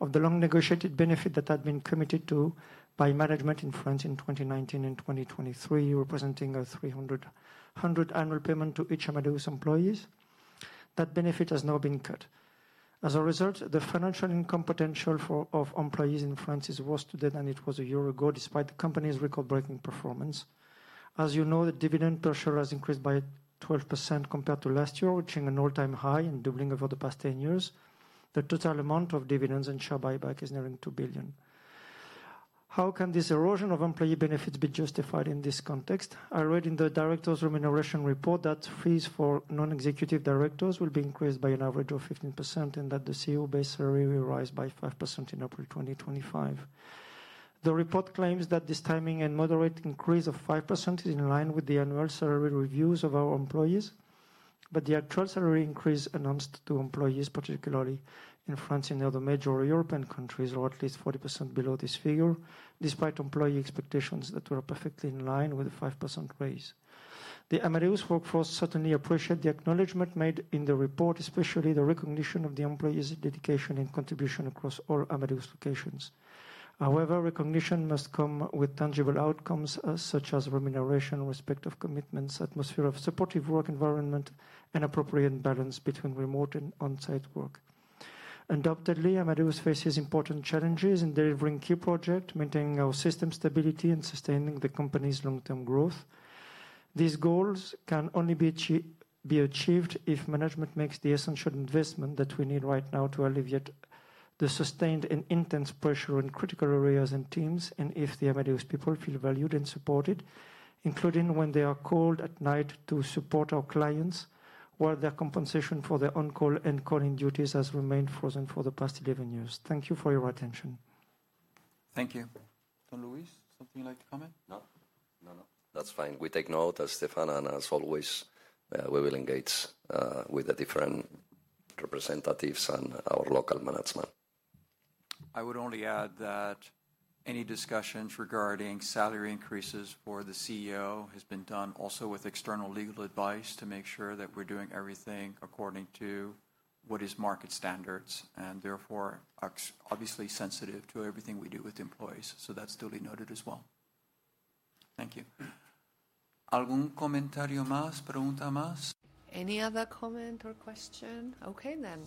of the long-negotiated benefit that had been committed to by management in France in 2019 and 2023, representing a 300 annual payment to each Amadeus employee. That benefit has now been cut. As a result, the financial income potential of employees in France is worse today than it was a year ago, despite the company's record-breaking performance. As you know, the dividend pressure has increased by 12% compared to last year, reaching an all-time high and doubling over the past 10 years. The total amount of dividends and share buyback is nearing 2 billion. How can this erosion of employee benefits be justified in this context? I read in the directors' remuneration report that fees for non-executive directors will be increased by an average of 15% and that the CEO-based salary will rise by 5% in April 2025. The report claims that this timing and moderate increase of 5% is in line with the annual salary reviews of our employees, but the actual salary increase announced to employees, particularly in France and other major European countries, is at least 40% below this figure, despite employee expectations that were perfectly in line with the 5% raise. The Amadeus workforce certainly appreciates the acknowledgment made in the report, especially the recognition of the employees' dedication and contribution across all Amadeus locations. However, recognition must come with tangible outcomes such as remuneration, respect of commitments, atmosphere of supportive work environment, and appropriate balance between remote and on-site work. Adoptedly, Amadeus faces important challenges in delivering key projects, maintaining our system stability, and sustaining the company's long-term growth. These goals can only be achieved if management makes the essential investment that we need right now to alleviate the sustained and intense pressure in critical areas and teams, and if the Amadeus people feel valued and supported, including when they are called at night to support our clients, while their compensation for their on-call and calling duties has remained frozen for the past 11 years. Thank you for your attention. Thank you. Don Luis, something like a comment? No. No, no. That's fine. We take note as Stéphane and as always, we will engage with the different representatives and our local management. I would only add that any discussions regarding salary increases for the CEO have been done also with external legal advice to make sure that we're doing everything according to what is market standards and therefore obviously sensitive to everything we do with employees. That's duly noted as well. Thank you. ¿Algún comentario más? ¿Pregunta más? Any other comment or question? Okay, then.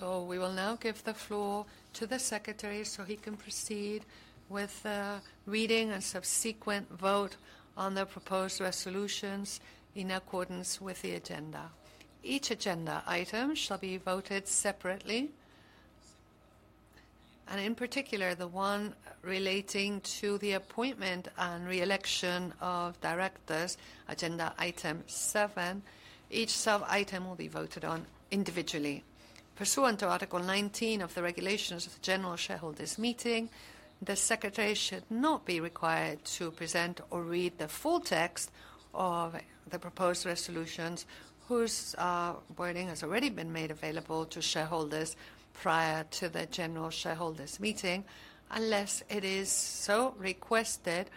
We will now give the floor to the secretary so he can proceed with reading and subsequent vote on the proposed resolutions in accordance with the agenda. Each agenda item shall be voted separately. In particular, the one relating to the appointment and re-election of directors, agenda item 7, each sub-item will be voted on individually. Pursuant to Article 19 of the Regulations of the General Shareholders' Meeting, the secretary should not be required to present or read the full text of the proposed resolutions, whose wording has already been made available to shareholders prior to the General Shareholders' Meeting, unless it is so requested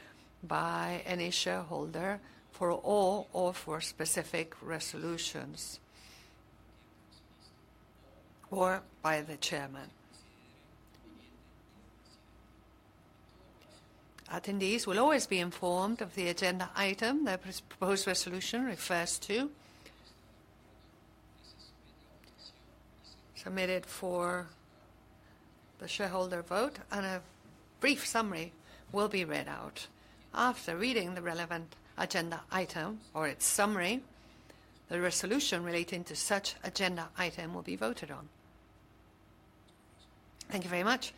by any shareholder for all or for specific resolutions, or by the chairman. Attendees will always be informed of the agenda item the proposed resolution refers to, submitted for the shareholder vote, and a brief summary will be read out. After reading the relevant agenda item or its summary, the resolution relating to such agenda item will be voted on. Thank you very much.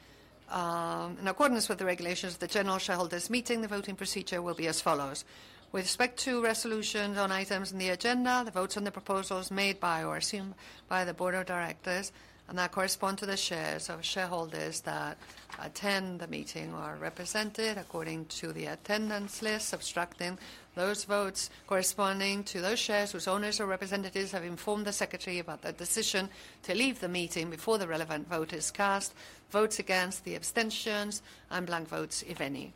In accordance with the regulations of the General Shareholders' Meeting, the voting procedure will be as follows. With respect to resolutions on items in the agenda, the votes on the proposals made by or assumed by the board of directors and that correspond to the shares of shareholders that attend the meeting are represented according to the attendance list, subtracting those votes corresponding to those shares whose owners or representatives have informed the secretary about their decision to leave the meeting before the relevant vote is cast, votes against, the abstentions, and blank votes if any.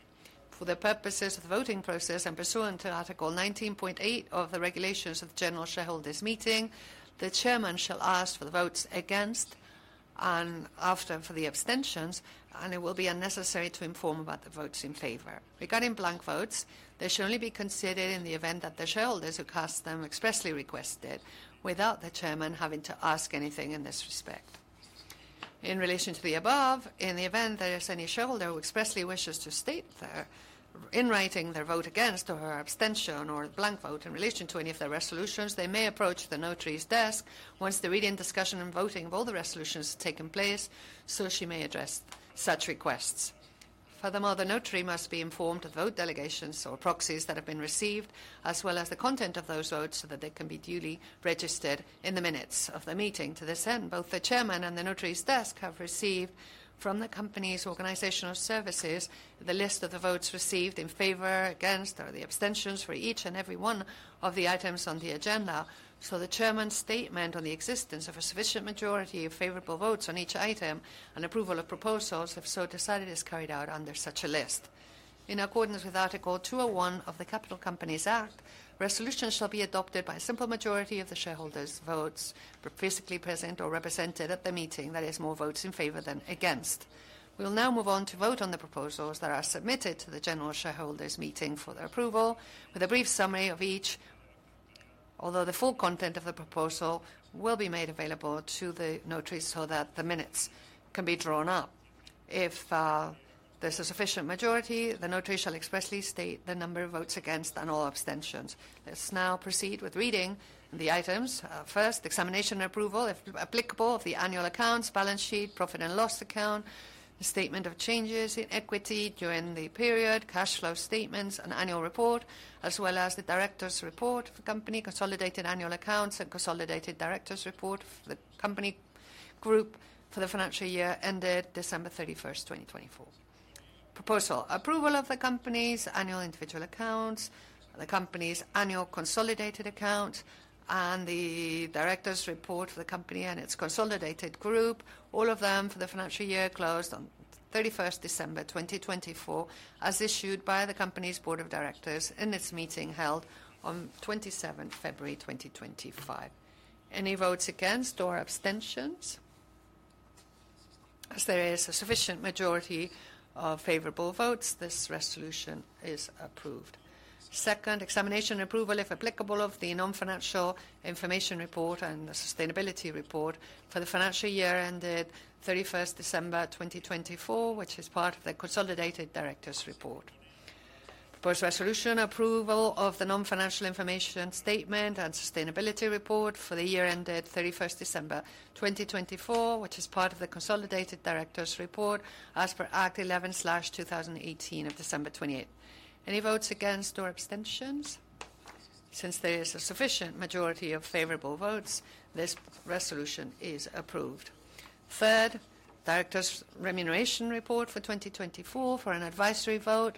For the purposes of the voting process, and pursuant to Article 19.8 of the Regulations of the General Shareholders' Meeting, the chairman shall ask for the votes against and after for the abstentions, and it will be unnecessary to inform about the votes in favor. Regarding blank votes, they should only be considered in the event that the shareholders who cast them expressly requested, without the Chairman having to ask anything in this respect. In relation to the above, in the event there is any shareholder who expressly wishes to state in writing their vote against or her abstention or blank vote in relation to any of their resolutions, they may approach the notary's desk once the reading, discussion, and voting of all the resolutions has taken place, so she may address such requests. Furthermore, the notary must be informed of vote delegations or proxies that have been received, as well as the content of those votes so that they can be duly registered in the minutes of the meeting. To this end, both the Chairman and the notary's desk have received from the company's organizational services the list of the votes received in favor, against, or the abstentions for each and every one of the items on the agenda. The Chairman's statement on the existence of a sufficient majority of favorable votes on each item and approval of proposals so decided is carried out under such a list. In accordance with Article 201 of the Capital Companies Act, resolutions shall be adopted by a simple majority of the shareholders' votes, physically present or represented at the meeting, that is, more votes in favor than against. We will now move on to vote on the proposals that are submitted to the General Shareholders' Meeting for their approval, with a brief summary of each, although the full content of the proposal will be made available to the notary so that the minutes can be drawn up. If there's a sufficient majority, the notary shall expressly state the number of votes against and all abstentions. Let's now proceed with reading the items. First, examination and approval, if applicable, of the annual accounts, balance sheet, profit and loss account, the statement of changes in equity during the period, cash flow statements, and annual report, as well as the director's report for company, consolidated annual accounts, and consolidated director's report for the company group for the financial year ended December 31, 2024. Proposal approval of the company's annual individual accounts, the company's annual consolidated accounts, and the director's report for the company and its consolidated group, all of them for the financial year closed on 31st December 2024, as issued by the company's board of directors in its meeting held on 27th February 2025. Any votes against or abstentions? As there is a sufficient majority of favorable votes, this resolution is approved. Second, examination and approval, if applicable, of the non-financial information report and the sustainability report for the financial year ended 31st December 2024, which is part of the consolidated director's report. Proposed resolution approval of the non-financial information statement and sustainability report for the year ended 31st December 2024, which is part of the consolidated director's report as per Act 11/2018 of December 28th. Any votes against or abstentions? Since there is a sufficient majority of favorable votes, this resolution is approved. Third, director's remuneration report for 2024 for an advisory vote,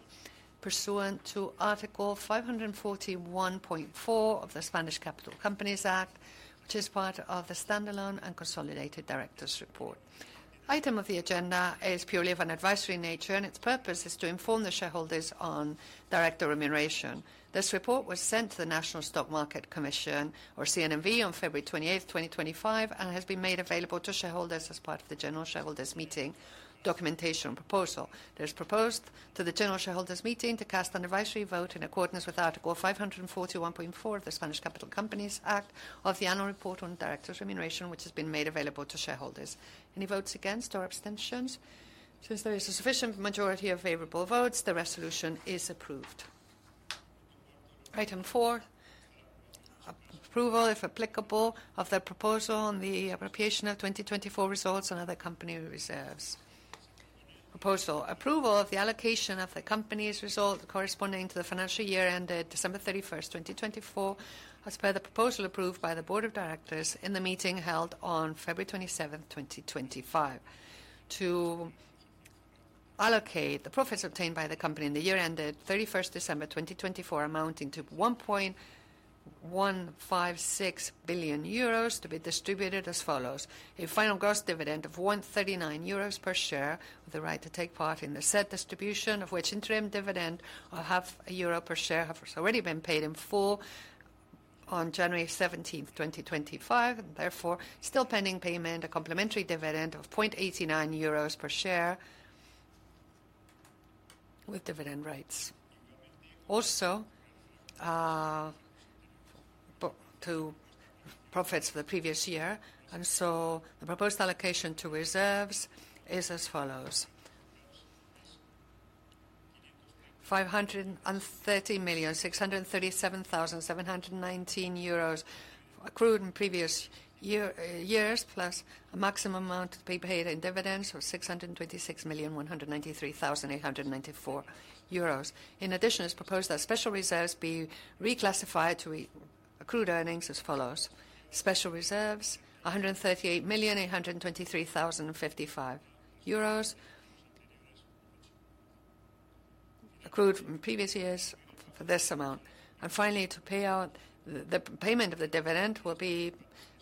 pursuant to Article 541.4 of the Spanish Capital Companies Act, which is part of the standalone and consolidated director's report. Item of the agenda is purely of an advisory nature, and its purpose is to inform the shareholders on director remuneration. This report was sent to the National Stock Market Commission, or CNMV, on February 28, 2025, and has been made available to shareholders as part of the General Shareholders' Meeting documentation proposal. It is proposed to the General Shareholders' Meeting to cast an advisory vote in accordance with Article 541.4 of the Spanish Capital Companies Act of the annual report on director's remuneration, which has been made available to shareholders. Any votes against or abstentions? Since there is a sufficient majority of favorable votes, the resolution is approved. Item four, approval, if applicable, of the proposal on the appropriation of 2024 results and other company reserves. Proposal approval of the allocation of the company's results corresponding to the financial year ended December 31, 2024, as per the proposal approved by the board of directors in the meeting held on February 27, 2025. To allocate the profits obtained by the company in the year ended December 31, 2024, amounting to 1.156 billion euros, to be distributed as follows. A final gross dividend of 1.39 euros per share with the right to take part in the said distribution, of which interim dividend of EUR 0.50 per share has already been paid in full on January 17, 2025, and therefore still pending payment, a complementary dividend of 0.89 euros per share with dividend rates. Also, to profits for the previous year, and so the proposed allocation to reserves is as follows. EUR 530,637,719 accrued in previous years, plus a maximum amount to be paid in dividends of 626,193,894 euros. In addition, it is proposed that special reserves be reclassified to accrued earnings as follows. Special reserves, EUR 138,823,055 accrued in previous years for this amount. Finally, the payment of the dividend will be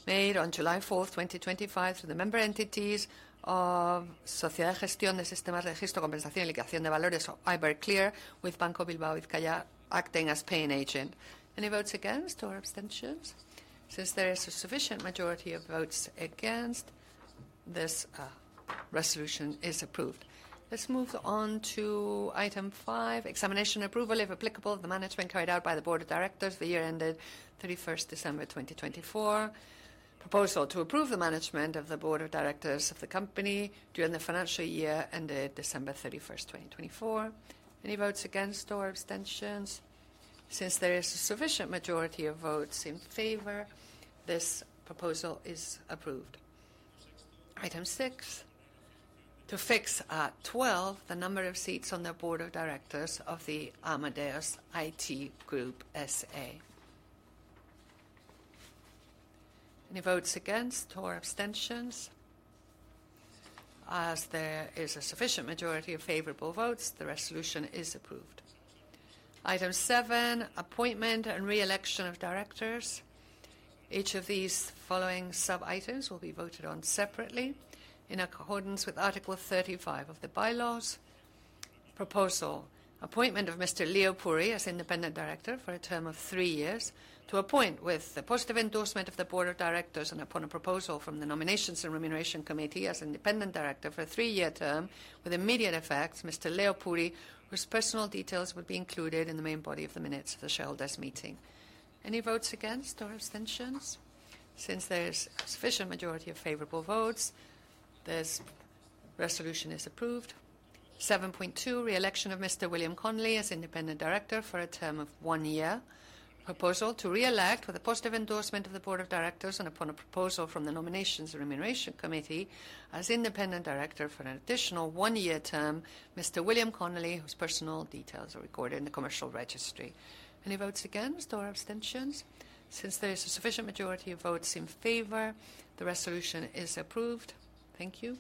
made on July 4th, 2025, through the member entities of Sociedad Gestión de Sistemas de Registro, Compensación y Liquidación de Valores Iberclear, with Banco Bilbao y Calla acting as paying agent. Any votes against or abstentions? Since there is a sufficient majority of votes against, this resolution is approved. Let's move on to item five, examination and approval, if applicable, of the management carried out by the board of directors for the year ended 31st December 2024. Proposal to approve the management of the board of directors of the company during the financial year ended December 31, 2024. Any votes against or abstentions? Since there is a sufficient majority of votes in favor, this proposal is approved. Item six, to fix at 12 the number of seats on the board of directors of the Amadeus IT Group. Any votes against or abstentions? As there is a sufficient majority of favorable votes, the resolution is approved. Item seven, appointment and re-election of directors. Each of these following sub-items will be voted on separately in accordance with Article 35 of the bylaws. Proposal appointment of Mr. Leo Puri as independent director for a term of three years to appoint with the positive endorsement of the board of directors and upon a proposal from the nominations and remuneration committee as independent director for a three-year term with immediate effect, Mr. Leo Puri, whose personal details would be included in the main body of the minutes of the shareholders' meeting. Any votes against or abstentions? Since there is a sufficient majority of favorable votes, this resolution is approved. 7.2, re-election of Mr. William Connelly as independent director for a term of one year. Proposal to re-elect with the positive endorsement of the board of directors and upon a proposal from the nominations and remuneration committee as independent director for an additional one-year term, Mr. William Connelly, whose personal details are recorded in the commercial registry. Any votes against or abstentions? Since there is a sufficient majority of votes in favor, the resolution is approved. Thank you.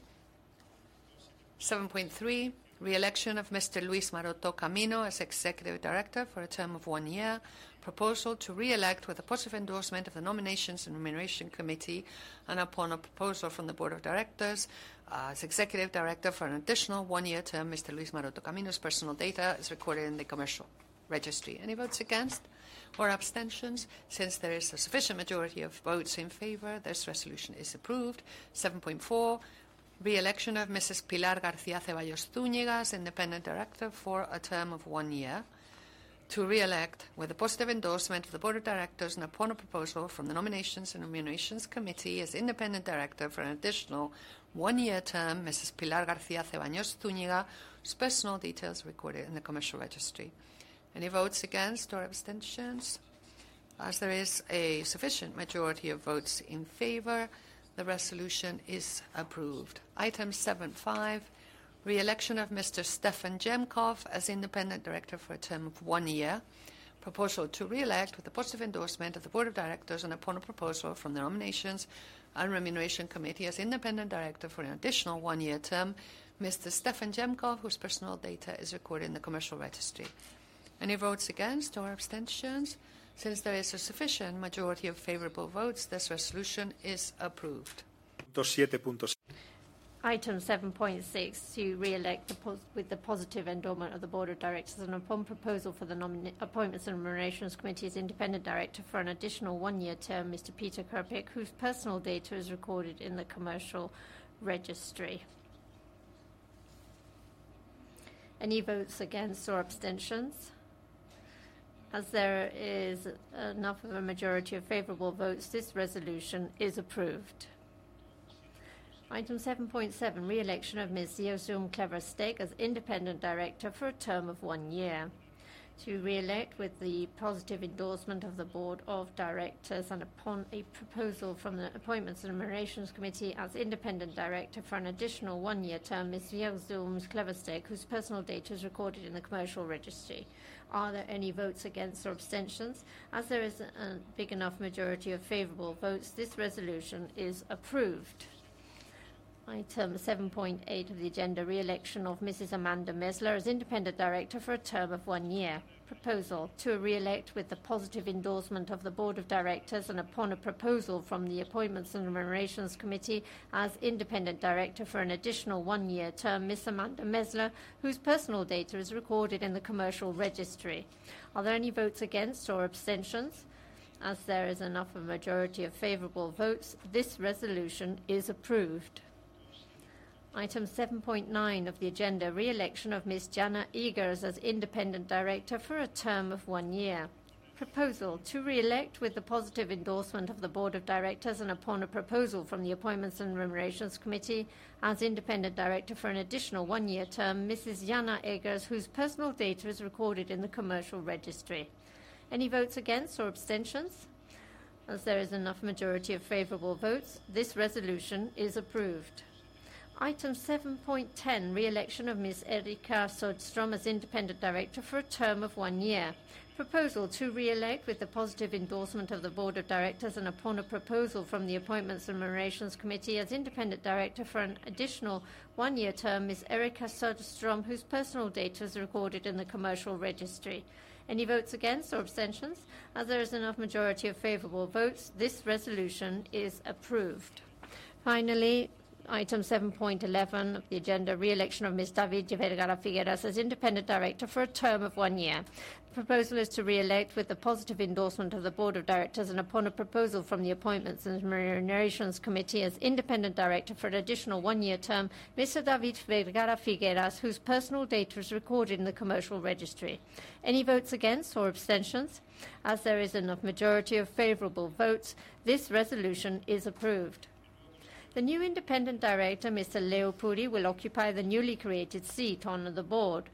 7.3, re-election of Mr. Luis Maroto Camino as Executive Director for a term of one year. Proposal to re-elect with the positive endorsement of the Nominations and Remuneration Committee and upon a proposal from the Board of Directors as Executive Director for an additional one-year term, Mr. Luis Maroto Camino's personal data is recorded in the commercial registry. Any votes against or abstentions? Since there is a sufficient majority of votes in favor, this resolution is approved. 7.4, re-election of Mrs. Pilar García Ceballos Zúñiga as Independent Director for a term of one year. To re-elect with the positive endorsement of the Board of Directors and upon a proposal from the Nominations and Remunerations Committee as Independent Director for an additional one-year term, Mrs. Pilar García Ceballos Zúñiga's personal details are recorded in the commercial registry. Any votes against or abstentions? As there is a sufficient majority of votes in favor, the resolution is approved. Item 7.5, re-election of Mr. Stefan Gemkow as independent director for a term of one year. Proposal to re-elect with the positive endorsement of the board of directors and upon a proposal from the nominations and remuneration committee as independent director for an additional one-year term, Mr. Stefan Gemkow, whose personal data is recorded in the commercial registry. Any votes against or abstentions? Since there is a sufficient majority of favorable votes, this resolution is approved. 7.6. Item 7.6, to re-elect with the positive endorsement of the board of directors and upon a proposal for the appointments and remunerations committee as independent director for an additional one-year term, Mr. Peter Kröpke, whose personal data is recorded in the commercial registry. Any votes against or abstentions? As there is enough of a majority of favorable votes, this resolution is approved. Item 7.7, re-election of Mr. Leo van der Zanden as independent director for a term of one year. To re-elect with the positive endorsement of the Board of Directors and upon a proposal from the Appointments and Remunerations Committee as independent director for an additional one-year term, Mr. Leo van der Zanden, whose personal data is recorded in the commercial registry. Are there any votes against or abstentions? As there is a big enough majority of favorable votes, this resolution is approved. Item 7.8 of the agenda, re-election of Mrs. Amanda Mesler as independent director for a term of one year. Proposal to re-elect with the positive endorsement of the Board of Directors and upon a proposal from the Appointments and Remunerations Committee as independent director for an additional one-year term, Ms. Amanda Mesler, whose personal data is recorded in the commercial registry. Are there any votes against or abstentions? As there is enough of a majority of favorable votes, this resolution is approved. Item 7.9 of the agenda, re-election of Ms. Jana Eggers as independent director for a term of one year. Proposal to re-elect with the positive endorsement of the Board of Directors and upon a proposal from the Appointments and Remunerations Committee as independent director for an additional one-year term, Ms. Jana Eggers, whose personal data is recorded in the commercial registry. Any votes against or abstentions? As there is enough majority of favorable votes, this resolution is approved. Item 7.10, re-election of Ms. Eriikka Söderström as independent director for a term of one year. Proposal to re-elect with the positive endorsement of the board of directors and upon a proposal from the Appointments and Remunerations Committee as independent director for an additional one-year term, Ms. Eriikka Söderström, whose personal data is recorded in the commercial registry. Any votes against or abstentions? As there is enough majority of favorable votes, this resolution is approved. Finally, item 7.11 of the agenda, re-election of Mr. David Vergara Figueras as independent director for a term of one year. The proposal is to re-elect with the positive endorsement of the board of directors and upon a proposal from the Appointments and Remunerations Committee as independent director for an additional one-year term, Mr. David Vergara Figueras, whose personal data is recorded in the commercial registry. Any votes against or abstentions? As there is enough majority of favorable votes, this resolution is approved. The new independent director, Mr. Leo Puri, will occupy the newly created seat on the board.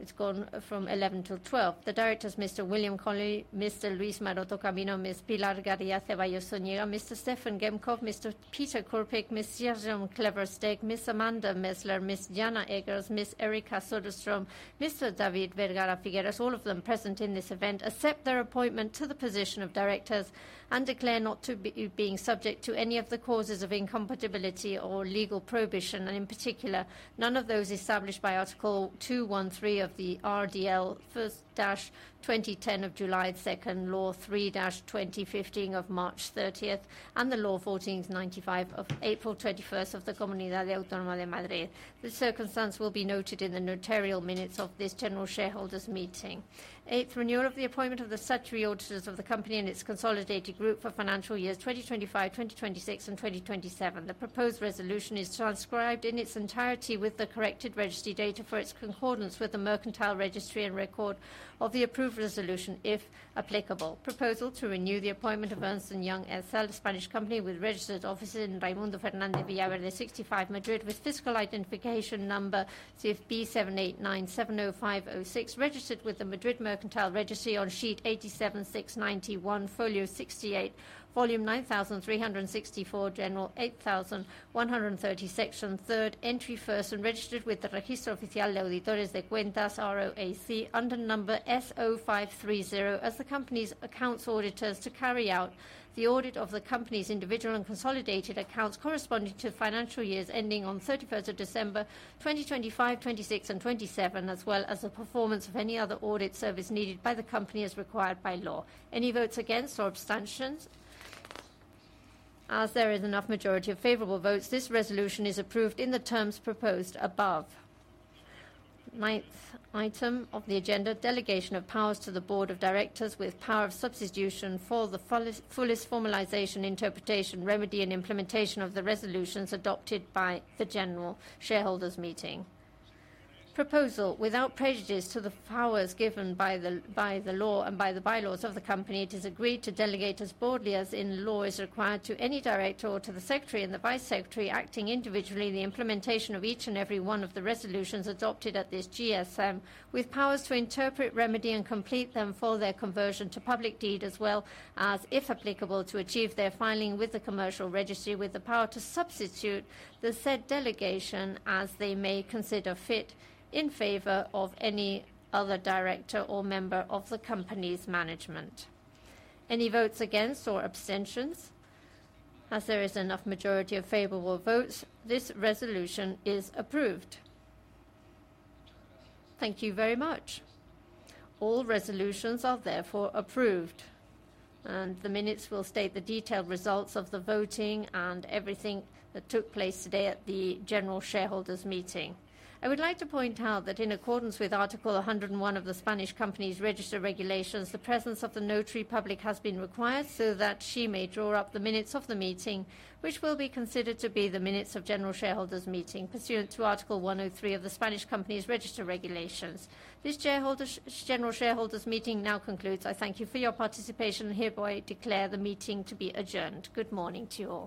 It's gone from 11 to 12. The directors, Mr. William Connelly, Mr. Luis Maroto, Ms. Pilar García Ceballos Zúñiga, Mr. Stefan Gemkow, Mr. Peter Kröpke, Ms. Jacomijn Kleversteg, Ms. Amanda Mesler, Ms. Jana Eggers, Ms. Erika Söderström, Mr. David Vergara Figueras, all of them present in this event, accept their appointment to the position of directors and declare not to be being subject to any of the causes of incompatibility or legal prohibition, and in particular, none of those established by Article 213 of the RDL-2010 of July 2nd, Law 3-2015 of March 30th, and the Law 14-95 of April 21st of the Comunidad de Autónoma de Madrid. This circumstance will be noted in the notarial minutes of this general shareholders' meeting. 8. Renewal of the appointment of the statutory auditors of the company and its consolidated group for financial years 2025, 2026, and 2027. The proposed resolution is transcribed in its entirety with the corrected registry data for its concordance with the mercantile registry and record of the approved resolution if applicable. Proposal to renew the appointment of Ernst & Young, Spanish company with registered offices in Raimundo Fernández Villarreal 65, Madrid, with fiscal identification number CFB78970506, registered with the Madrid Mercantile Registry on sheet 87691, folio 68, volume 9364, general 8130, section third, entry first, and registered with the Registro Oficial de Auditores de Cuentas ROAC under number SO530 as the company's accounts auditors to carry out the audit of the company's individual and consolidated accounts corresponding to financial years ending on 31st of December, 2025, 2026, and 2027, as well as the performance of any other audit service needed by the company as required by law. Any votes against or abstentions? As there is enough majority of favorable votes, this resolution is approved in the terms proposed above. 9th item of the agenda, delegation of powers to the Board of Directors with power of substitution for the fullest formalization, interpretation, remedy, and implementation of the resolutions adopted by the General Shareholders' Meeting. Proposal without prejudice to the powers given by the law and by the bylaws of the company, it is agreed to delegate as broadly as in law is required to any director or to the secretary and the vice secretary acting individually the implementation of each and every one of the resolutions adopted at this GSM with powers to interpret, remedy, and complete them for their conversion to public deed as well as, if applicable, to achieve their filing with the commercial registry with the power to substitute the said delegation as they may consider fit in favor of any other director or member of the company's management. Any votes against or abstentions? As there is enough majority of favorable votes, this resolution is approved. Thank you very much. All resolutions are therefore approved. The minutes will state the detailed results of the voting and everything that took place today at the general shareholders' meeting. I would like to point out that in accordance with Article 101 of the Spanish Company's Register of Regulations, the presence of the notary public has been required so that she may draw up the minutes of the meeting, which will be considered to be the minutes of general shareholders' meeting pursuant to Article 103 of the Spanish Company's Register of Regulations. This general shareholders' meeting now concludes. I thank you for your participation and hereby declare the meeting to be adjourned. Good morning to you all.